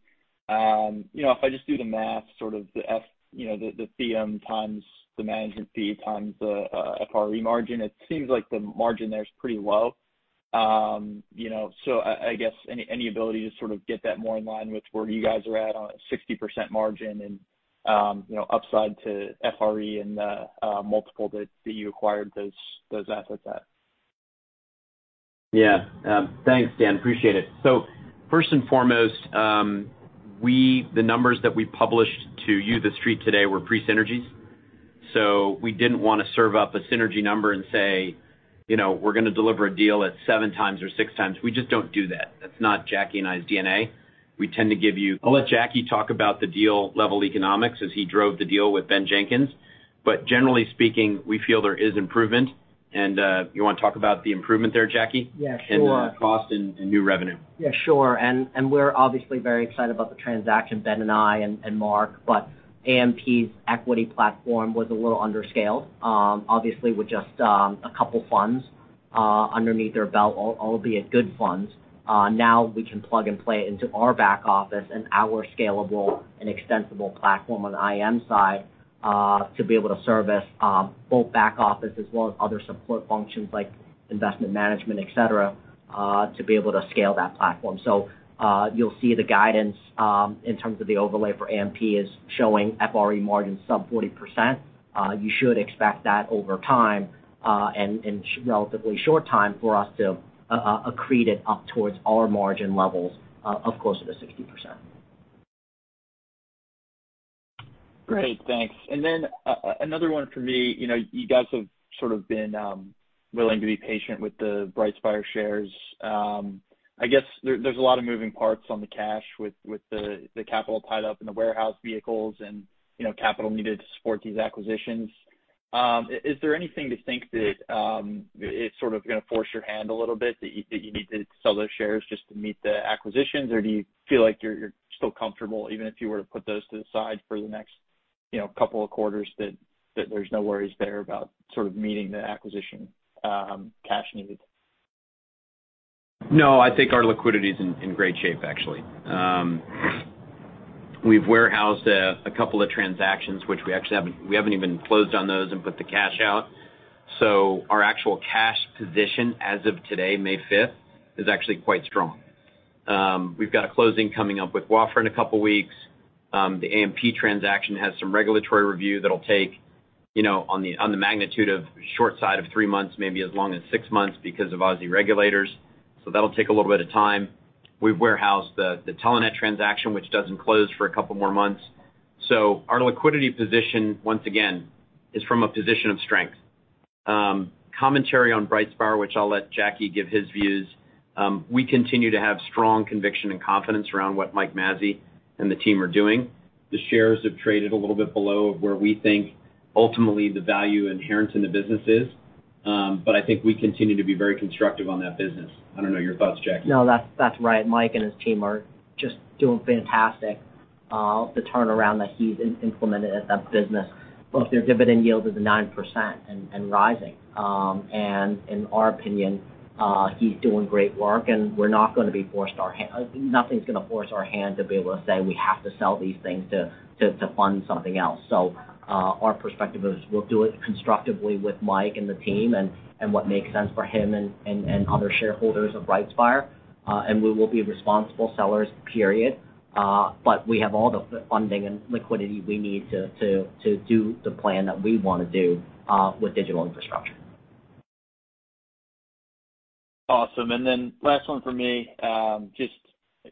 You know, if I just do the math, sort of the fee times the management fee times the FRE margin, it seems like the margin there is pretty low. You know, so I guess any ability to sort of get that more in line with where you guys are at on a 60% margin and, you know, upside to FRE and the multiple that you acquired those assets at? Yeah. Thanks, Dan. Appreciate it. First and foremost, the numbers that we published to you, The Street, today were pre-synergies. We didn't wanna serve up a synergy number and say, you know, we're gonna deliver a deal at 7x or 6x. We just don't do that. That's not Jacky and I's D&A. We tend to give you. I'll let Jacky talk about the deal-level economics, as he drove the deal with Ben Jenkins. Generally speaking, we feel there is improvement. You wanna talk about the improvement there, Jacky? Yeah, sure. In cost and new revenue. Yeah, sure. We're obviously very excited about the transaction, Ben and I and Marc. AMP Capital's equity platform was a little under-scaled, obviously with just a couple funds underneath their belt, albeit good funds. Now we can plug and play into our back office and our scalable and extensible platform on the IM side to be able to service both back office as well as other support functions like investment management, et cetera, to be able to scale that platform. You'll see the guidance in terms of the overlay for AMP Capital is showing FRE margins sub 40%. You should expect that over time and relatively short time for us to accrete it up towards our margin levels of course at a 60%. Great. Thanks. Another one for me, you know, you guys have sort of been willing to be patient with the BrightSpire shares. I guess there's a lot of moving parts on the cash with the capital tied up in the warehouse vehicles and, you know, capital needed to support these acquisitions. Is there anything to think that it's sort of gonna force your hand a little bit, that you need to sell those shares just to meet the acquisitions? Or do you feel like you're still comfortable, even if you were to put those to the side for the next, you know, couple of quarters, that there's no worries there about sort of meeting the acquisition cash needs? No, I think our liquidity is in great shape, actually. We've warehoused a couple of transactions which we actually haven't even closed on those and put the cash out. Our actual cash position as of today, May 5th, is actually quite strong. We've got a closing coming up with Wafra in a couple weeks. The AMP transaction has some regulatory review that'll take on the magnitude of short side of three months, maybe as long as six months because of Aussie regulators. That'll take a little bit of time. We've warehoused the Telenet transaction, which doesn't close for a couple more months. Our liquidity position, once again, is from a position of strength. Commentary on BrightSpire, which I'll let Jacky give his views, we continue to have strong conviction and confidence around what Mike Mazzei and the team are doing. The shares have traded a little bit below where we think ultimately the value inherent in the business is. I think we continue to be very constructive on that business. I don't know your thoughts, Jacky. No, that's right. Mike and his team are just doing fantastic. The turnaround that he's implemented at that business, plus their dividend yield is at 9% and rising. In our opinion, he's doing great work, and we're not gonna be forced. Nothing's gonna force our hand to be able to say we have to sell these things to fund something else. Our perspective is we'll do it constructively with Mike and the team and what makes sense for him and other shareholders of BrightSpire. We will be responsible sellers, period. We have all the funding and liquidity we need to do the plan that we wanna do with digital infrastructure. Awesome. Last one for me. Just,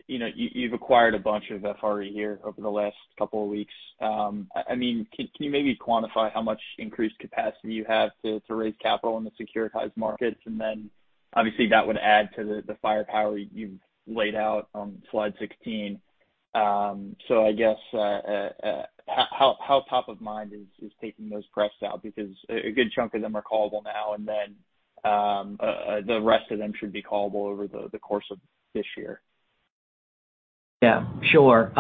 you know, you've acquired a bunch of FRE here over the last couple of weeks. I mean, can you maybe quantify how much increased capacity you have to raise capital in the securitized markets? Then obviously that would add to the firepower you've laid out on Slide 16. I guess, how top of mind is taking those prefs out because a good chunk of them are callable now, and then the rest of them should be callable over the course of this year. Yeah, sure.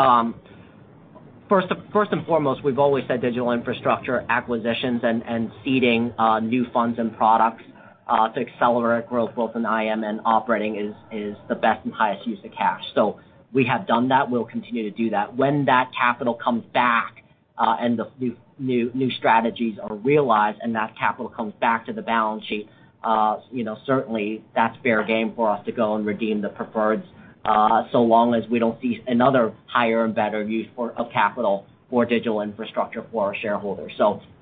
First and foremost, we've always said digital infrastructure acquisitions and seeding new funds and products to accelerate growth both in IM and operating is the best and highest use of cash. We have done that. We'll continue to do that. When that capital comes back and the new strategies are realized and that capital comes back to the balance sheet, you know, certainly that's fair game for us to go and redeem the preferreds, so long as we don't see another higher and better use of capital for digital infrastructure for our shareholders.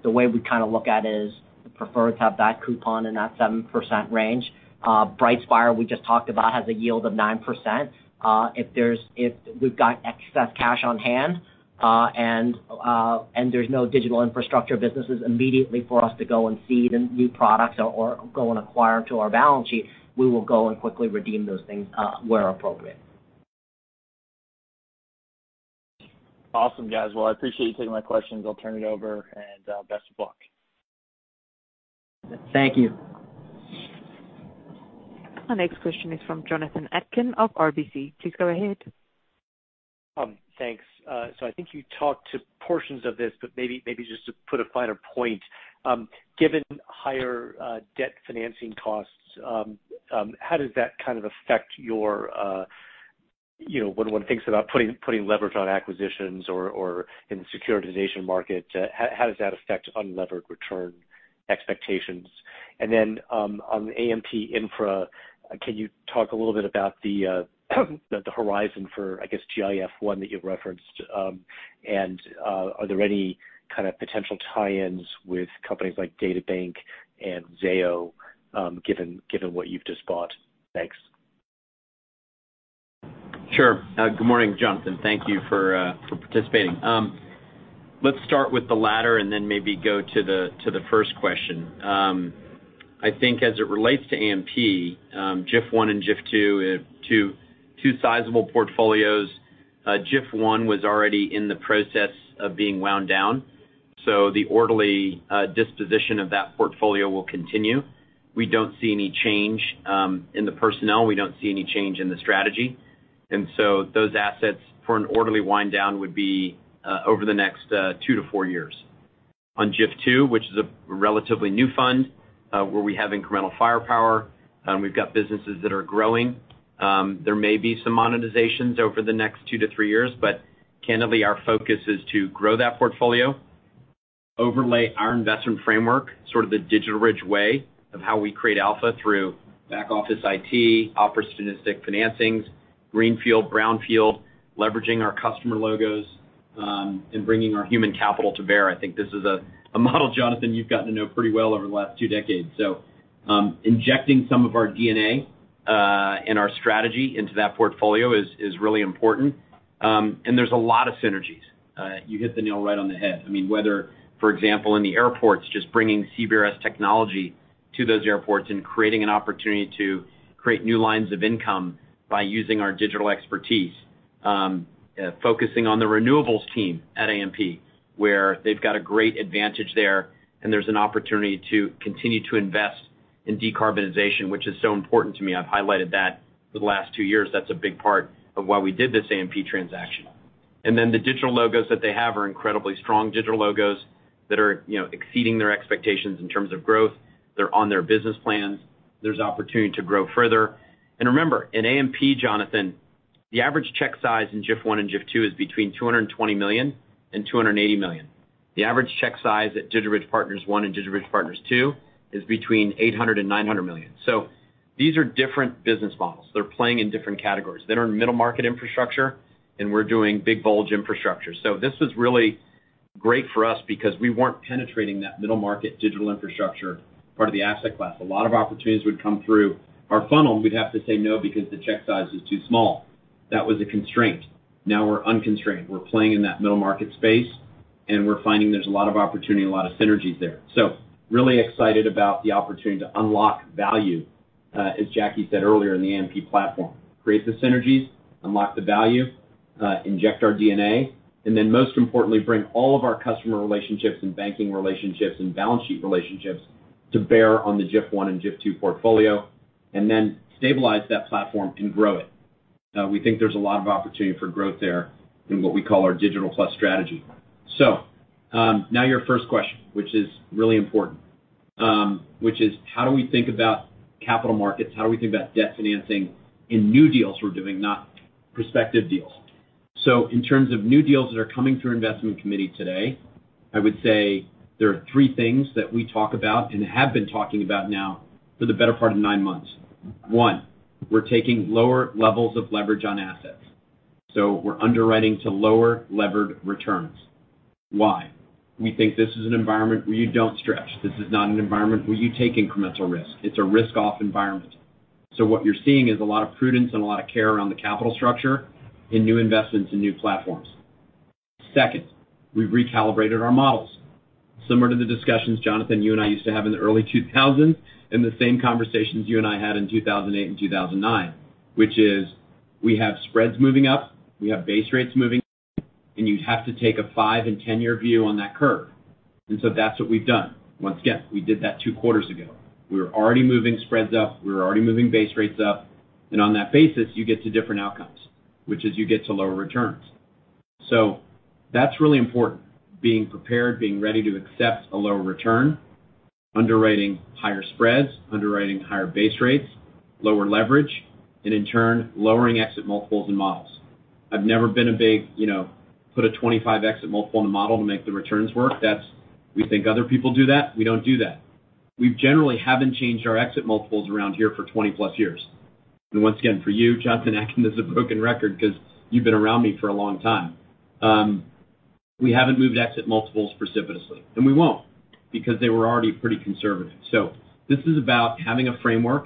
The way we kinda look at it is the preferreds have that coupon in that 7% range. BrightSpire, we just talked about, has a yield of 9%. If we've got excess cash on hand, and there's no digital infrastructure businesses immediately for us to go and seed in new products or go and acquire onto our balance sheet, we will go and quickly redeem those things, where appropriate. Awesome, guys. Well, I appreciate you taking my questions. I'll turn it over, and best of luck. Thank you. Our next question is from Jonathan Atkin of RBC. Please go ahead. Thanks. So I think you talked to portions of this, but maybe just to put a finer point, given higher debt financing costs, how does that kind of affect your, you know, when one thinks about putting leverage on acquisitions or in the securitization market, how does that affect unlevered return expectations? On the AMP infra, can you talk a little bit about the horizon for, I guess, GIF I that you've referenced? Are there any kind of potential tie-ins with companies like DataBank and Zayo, given what you've just bought? Thanks. Sure. Good morning, Jonathan. Thank you for participating. Let's start with the latter and then maybe go to the first question. I think as it relates to AMP, GIF I and GIF II sizable portfolios. GIF I was already in the process of being wound down, so the orderly disposition of that portfolio will continue. We don't see any change in the personnel. We don't see any change in the strategy. Those assets for an orderly wind down would be over the next two to four years. On GIF II, which is a relatively new fund, where we have incremental firepower, we've got businesses that are growing. There may be some monetizations over the next two to three years, but candidly, our focus is to grow that portfolio, overlay our investment framework, sort of the DigitalBridge way of how we create alpha through back office IT, opportunistic financings, greenfield, brownfield, leveraging our customer logos, and bringing our human capital to bear. I think this is a model, Jonathan, you've gotten to know pretty well over the last two decades. Injecting some of our D&A and our strategy into that portfolio is really important. There's a lot of synergies. You hit the nail right on the head. I mean, whether, for example, in the airports, just bringing CBRS technology to those airports and creating an opportunity to create new lines of income by using our digital expertise, focusing on the renewables team at AMP, where they've got a great advantage there, and there's an opportunity to continue to invest in decarbonization, which is so important to me. I've highlighted that for the last two years. That's a big part of why we did this AMP transaction. The digital logos that they have are incredibly strong digital logos that are, you know, exceeding their expectations in terms of growth. They're on their business plans. There's opportunity to grow further. Remember, in AMP, Jonathan, the average check size in GIF I and GIF II is between $220 million and $280 million. The average check size at DigitalBridge Partners I and DigitalBridge Partners II is between $800 million-$900 million. These are different business models. They're playing in different categories. They're in middle market infrastructure, and we're doing big bulge infrastructure. This was really great for us because we weren't penetrating that middle market digital infrastructure part of the asset class. A lot of opportunities would come through our funnel, and we'd have to say no because the check size was too small. That was a constraint. Now we're unconstrained. We're playing in that middle market space, and we're finding there's a lot of opportunity and a lot of synergies there. Really excited about the opportunity to unlock value, as Jacky said earlier in the AMP platform. Create the synergies, unlock the value, inject our D&A, and then most importantly, bring all of our customer relationships and banking relationships and balance sheet relationships to bear on the Global Infrastructure Fund I and Global Infrastructure Fund II portfolio, and then stabilize that platform and grow it. We think there's a lot of opportunity for growth there in what we call our Digital Plus strategy. Now your first question, which is really important, which is how do we think about capital markets? How do we think about debt financing in new deals we're doing, not prospective deals? In terms of new deals that are coming through our investment committee today, I would say there are three things that we talk about and have been talking about now for the better part of nine months. One, we're taking lower levels of leverage on assets. We're underwriting to lower levered returns. Why? We think this is an environment where you don't stretch. This is not an environment where you take incremental risk. It's a risk-off environment. What you're seeing is a lot of prudence and a lot of care around the capital structure in new investments, in new platforms. Second, we've recalibrated our models. Similar to the discussions, Jonathan, you and I used to have in the early 2000, and the same conversations you and I had in 2008 and 2009, which is we have spreads moving up, we have base rates moving, and you'd have to take a five and 10 year view on that curve. That's what we've done. Once again, we did that two quarters ago. We were already moving spreads up, we were already moving base rates up, and on that basis, you get to different outcomes, which is you get to lower returns. That's really important, being prepared, being ready to accept a lower return, underwriting higher spreads, underwriting higher base rates, lower leverage, and in turn, lowering exit multiples and models. I've never been a big, you know, put a 25 exit multiple in the model to make the returns work. That's. We think other people do that. We don't do that. We generally haven't changed our exit multiples around here for 20+ years. Once again, for you, Jonathan, acting as a broken record because you've been around me for a long time, we haven't moved exit multiples precipitously, and we won't because they were already pretty conservative. This is about having a framework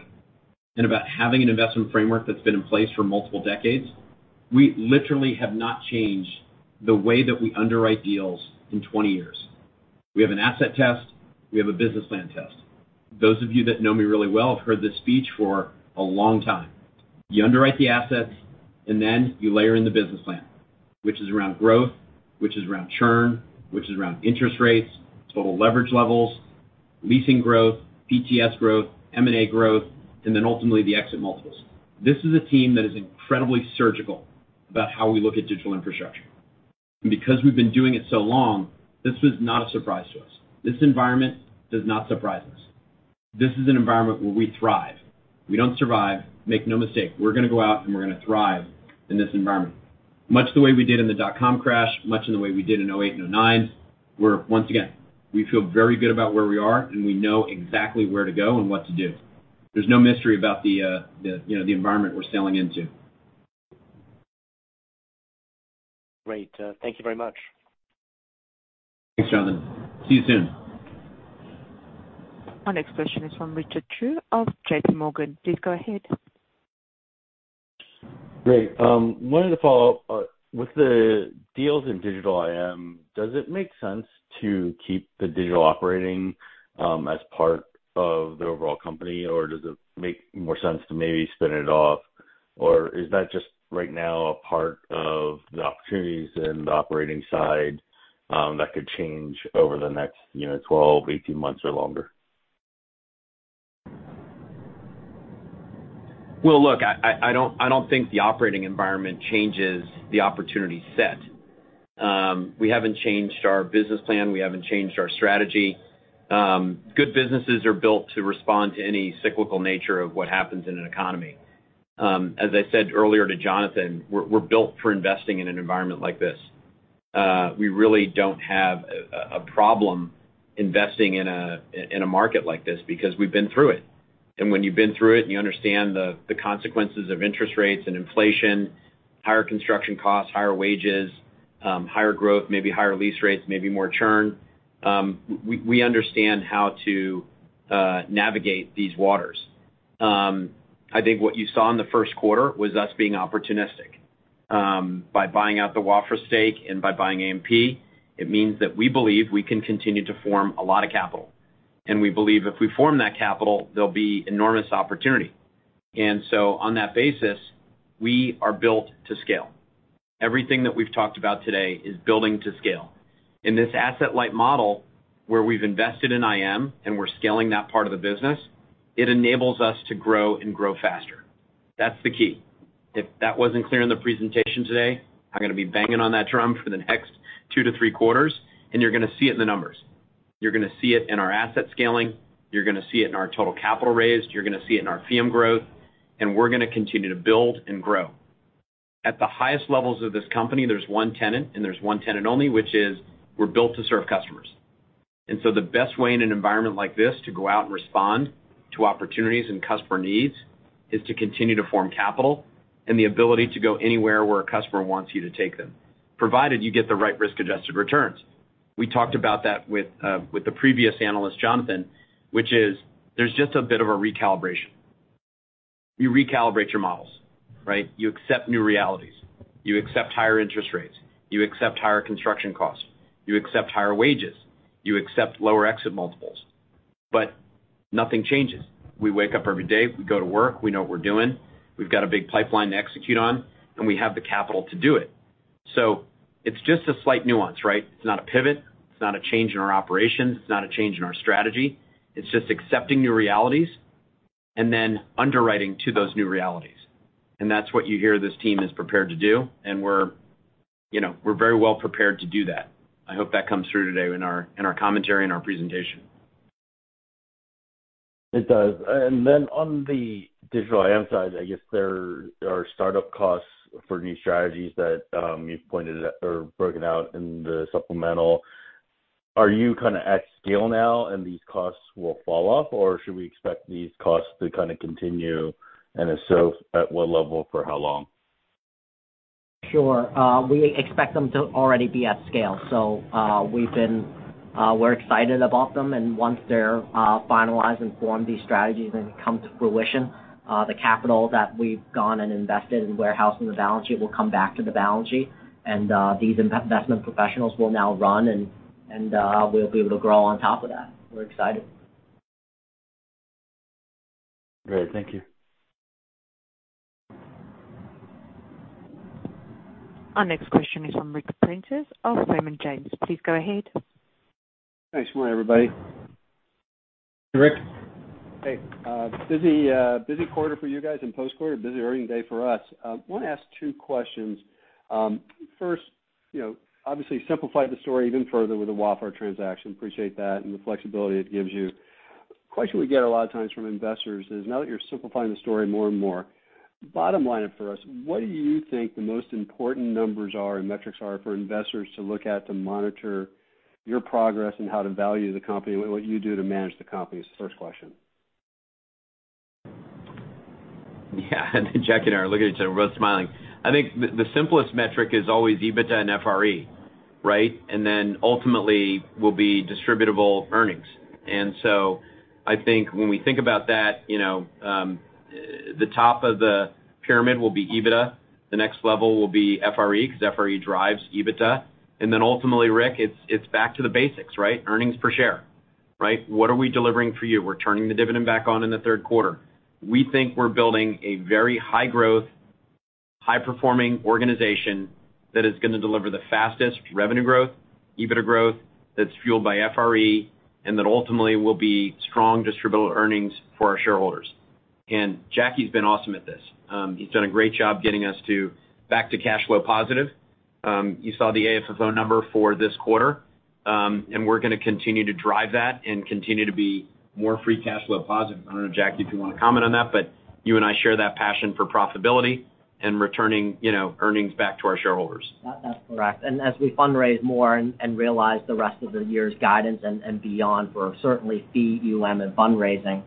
and about having an investment framework that's been in place for multiple decades. We literally have not changed the way that we underwrite deals in 20 years. We have an asset test, we have a business plan test. Those of you that know me really well have heard this speech for a long time. You underwrite the assets and then you layer in the business plan, which is around growth, which is around churn, which is around interest rates, total leverage levels, leasing growth, PTS growth, M&A growth, and then ultimately the exit multiples. This is a team that is incredibly surgical about how we look at digital infrastructure. Because we've been doing it so long, this was not a surprise to us. This environment does not surprise us. This is an environment where we thrive. We don't survive. Make no mistake. We're gonna go out and we're gonna thrive in this environment. Much the way we did in the dot com crash, much in the way we did in 2008 and 2009, we're once again, we feel very good about where we are and we know exactly where to go and what to do. There's no mystery about the, you know, the environment we're sailing into. Great. Thank you very much. Thanks, Jonathan. See you soon. Our next question is from Richard Choe of JPMorgan. Please go ahead. Great. Wanted to follow up with the deals in Digital IM, does it make sense to keep the digital operating as part of the overall company, or does it make more sense to maybe spin it off? Or is that just right now a part of the opportunities in the operating side that could change over the next, you know, 12, 18 months or longer? Well, look, I don't think the operating environment changes the opportunity set. We haven't changed our business plan. We haven't changed our strategy. Good businesses are built to respond to any cyclical nature of what happens in an economy. As I said earlier to Jonathan, we're built for investing in an environment like this. We really don't have a problem investing in a market like this because we've been through it. When you've been through it and you understand the consequences of interest rates and inflation, higher construction costs, higher wages, higher growth, maybe higher lease rates, maybe more churn, we understand how to navigate these waters. I think what you saw in the first quarter was us being opportunistic by buying out the Wafra stake and by buying AMP. It means that we believe we can continue to form a lot of capital. We believe if we form that capital, there'll be enormous opportunity. On that basis, we are built to scale. Everything that we've talked about today is building to scale. In this asset-light model, where we've invested in IM and we're scaling that part of the business, it enables us to grow and grow faster. That's the key. If that wasn't clear in the presentation today, I'm gonna be banging on that drum for the next two to three quarters, and you're gonna see it in the numbers. You're gonna see it in our asset scaling, you're gonna see it in our total capital raised, you're gonna see it in our FRE growth, and we're gonna continue to build and grow. At the highest levels of this company, there's one tenant, and there's one tenant only, which is we're built to serve customers. The best way in an environment like this to go out and respond to opportunities and customer needs is to continue to form capital and the ability to go anywhere where a customer wants you to take them, provided you get the right risk-adjusted returns. We talked about that with the previous analyst, Jonathan, which is there's just a bit of a recalibration. You recalibrate your models, right? You accept new realities. You accept higher interest rates, you accept higher construction costs, you accept higher wages, you accept lower exit multiples, but nothing changes. We wake up every day, we go to work, we know what we're doing. We've got a big pipeline to execute on, and we have the capital to do it. It's just a slight nuance, right? It's not a pivot. It's not a change in our operations. It's not a change in our strategy. It's just accepting new realities and then underwriting to those new realities. That's what you hear this team is prepared to do, and we're, you know, we're very well prepared to do that. I hope that comes through today in our commentary and our presentation. It does. Then on the Digital IM side, I guess there are startup costs for new strategies that you've pointed out or broken out in the supplemental. Are you kinda at scale now and these costs will fall off, or should we expect these costs to kinda continue? If so, at what level for how long? Sure. We expect them to already be at scale. We're excited about them. Once they're finalized and formed, these strategies then come to fruition, the capital that we've gone and invested in warehouse and the balance sheet will come back to the balance sheet. These investment professionals will now run and we'll be able to grow on top of that. We're excited. Great. Thank you. Our next question is from Ric Prentiss of Raymond James. Please go ahead. Thanks. Good morning, everybody. Rick. Hey. Busy quarter for you guys in post-quarter. Busy earnings day for us. Wanna ask two questions. First, you know, obviously simplified the story even further with the Wafra transaction. Appreciate that and the flexibility it gives you. Question we get a lot of times from investors is, now that you're simplifying the story more and more, bottom line it for us, what do you think the most important numbers are and metrics are for investors to look at to monitor your progress and how to value the company with what you do to manage the company? It's the first question. Yeah. Then Jacky and I are looking at each other. We're both smiling. I think the simplest metric is always EBITDA and FRE, right? Then ultimately will be distributable earnings. I think when we think about that, you know, the top of the pyramid will be EBITDA, the next level will be FRE 'cause FRE drives EBITDA. Then ultimately, Rick, it's back to the basics, right? Earnings per share, right? What are we delivering for you? We're turning the dividend back on in the third quarter. We think we're building a very high growth, high performing organization that is gonna deliver the fastest revenue growth, EBITDA growth that's fueled by FRE, and that ultimately will be strong distributable earnings for our shareholders. Jacky's been awesome at this. He's done a great job getting us back to cash flow positive. You saw the AFFO number for this quarter, and we're gonna continue to drive that and continue to be more free cash flow positive. I don't know, Jacky, if you wanna comment on that, but you and I share that passion for profitability and returning, you know, earnings back to our shareholders. That's correct. As we fundraise more and realize the rest of the year's guidance and beyond for certainly FEEUM and fundraising,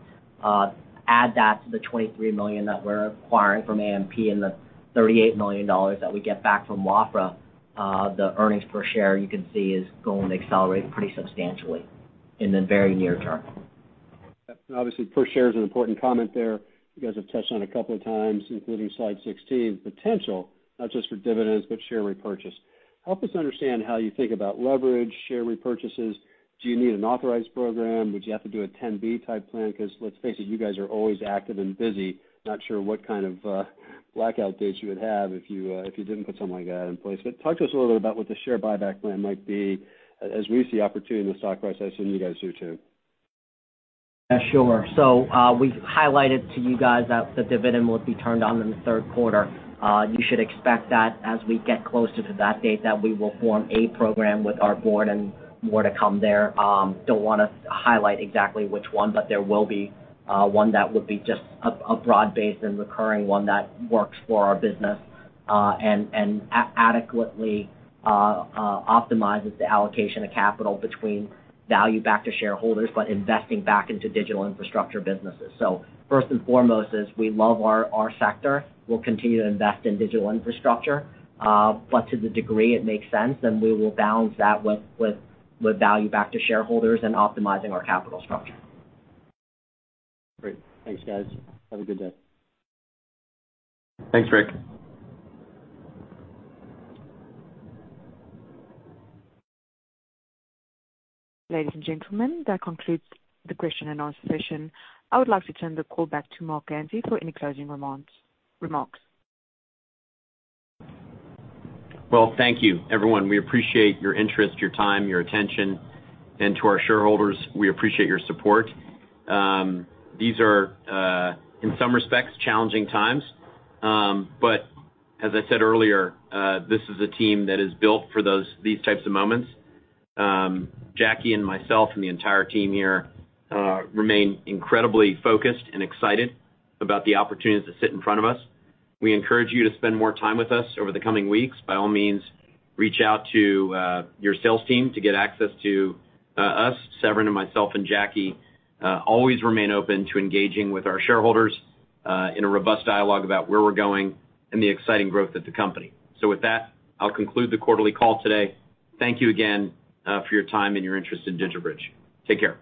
the earnings per share, you can see, is going to accelerate pretty substantially in the very near term. Yeah. Obviously, per share is an important comment there. You guys have touched on a couple of times, including slide 16, potential not just for dividends but share repurchase. Help us understand how you think about leverage, share repurchases. Do you need an authorized program? Would you have to do a 10b5-1 type plan? 'Cause let's face it, you guys are always active and busy. Not sure what kind of blackout dates you would have if you didn't put something like that in place. But talk to us a little bit about what the share buyback plan might be as we see opportunity in the stock price as you guys do too. Yeah, sure. We've highlighted to you guys that the dividend will be turned on in the third quarter. You should expect that as we get closer to that date, that we will form a program with our board and more to come there. Don't wanna highlight exactly which one, but there will be one that would be just a broad-based and recurring one that works for our business, and adequately optimizes the allocation of capital between value back to shareholders, but investing back into digital infrastructure businesses. First and foremost is we love our sector. We'll continue to invest in digital infrastructure, but to the degree it makes sense, then we will balance that with value back to shareholders and optimizing our capital structure. Great. Thanks, guys. Have a good day. Thanks, Rick. Ladies and gentlemen, that concludes the question and answer session. I would like to turn the call back to Marc Ganzi for any closing remarks. Well, thank you, everyone. We appreciate your interest, your time, your attention. To our shareholders, we appreciate your support. These are, in some respects, challenging times. This is a team that is built for these types of moments. Jacky and myself and the entire team here remain incredibly focused and excited about the opportunities that sit in front of us. We encourage you to spend more time with us over the coming weeks. By all means, reach out to your sales team to get access to us, Severin and myself and Jacky, always remain open to engaging with our shareholders in a robust dialogue about where we're going and the exciting growth of the company. With that, I'll conclude the quarterly call today. Thank you again for your time and your interest in DigitalBridge. Take care.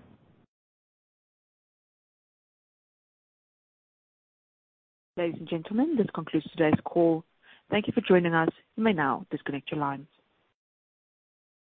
Ladies and gentlemen, this concludes today's call. Thank you for joining us. You may now disconnect your lines.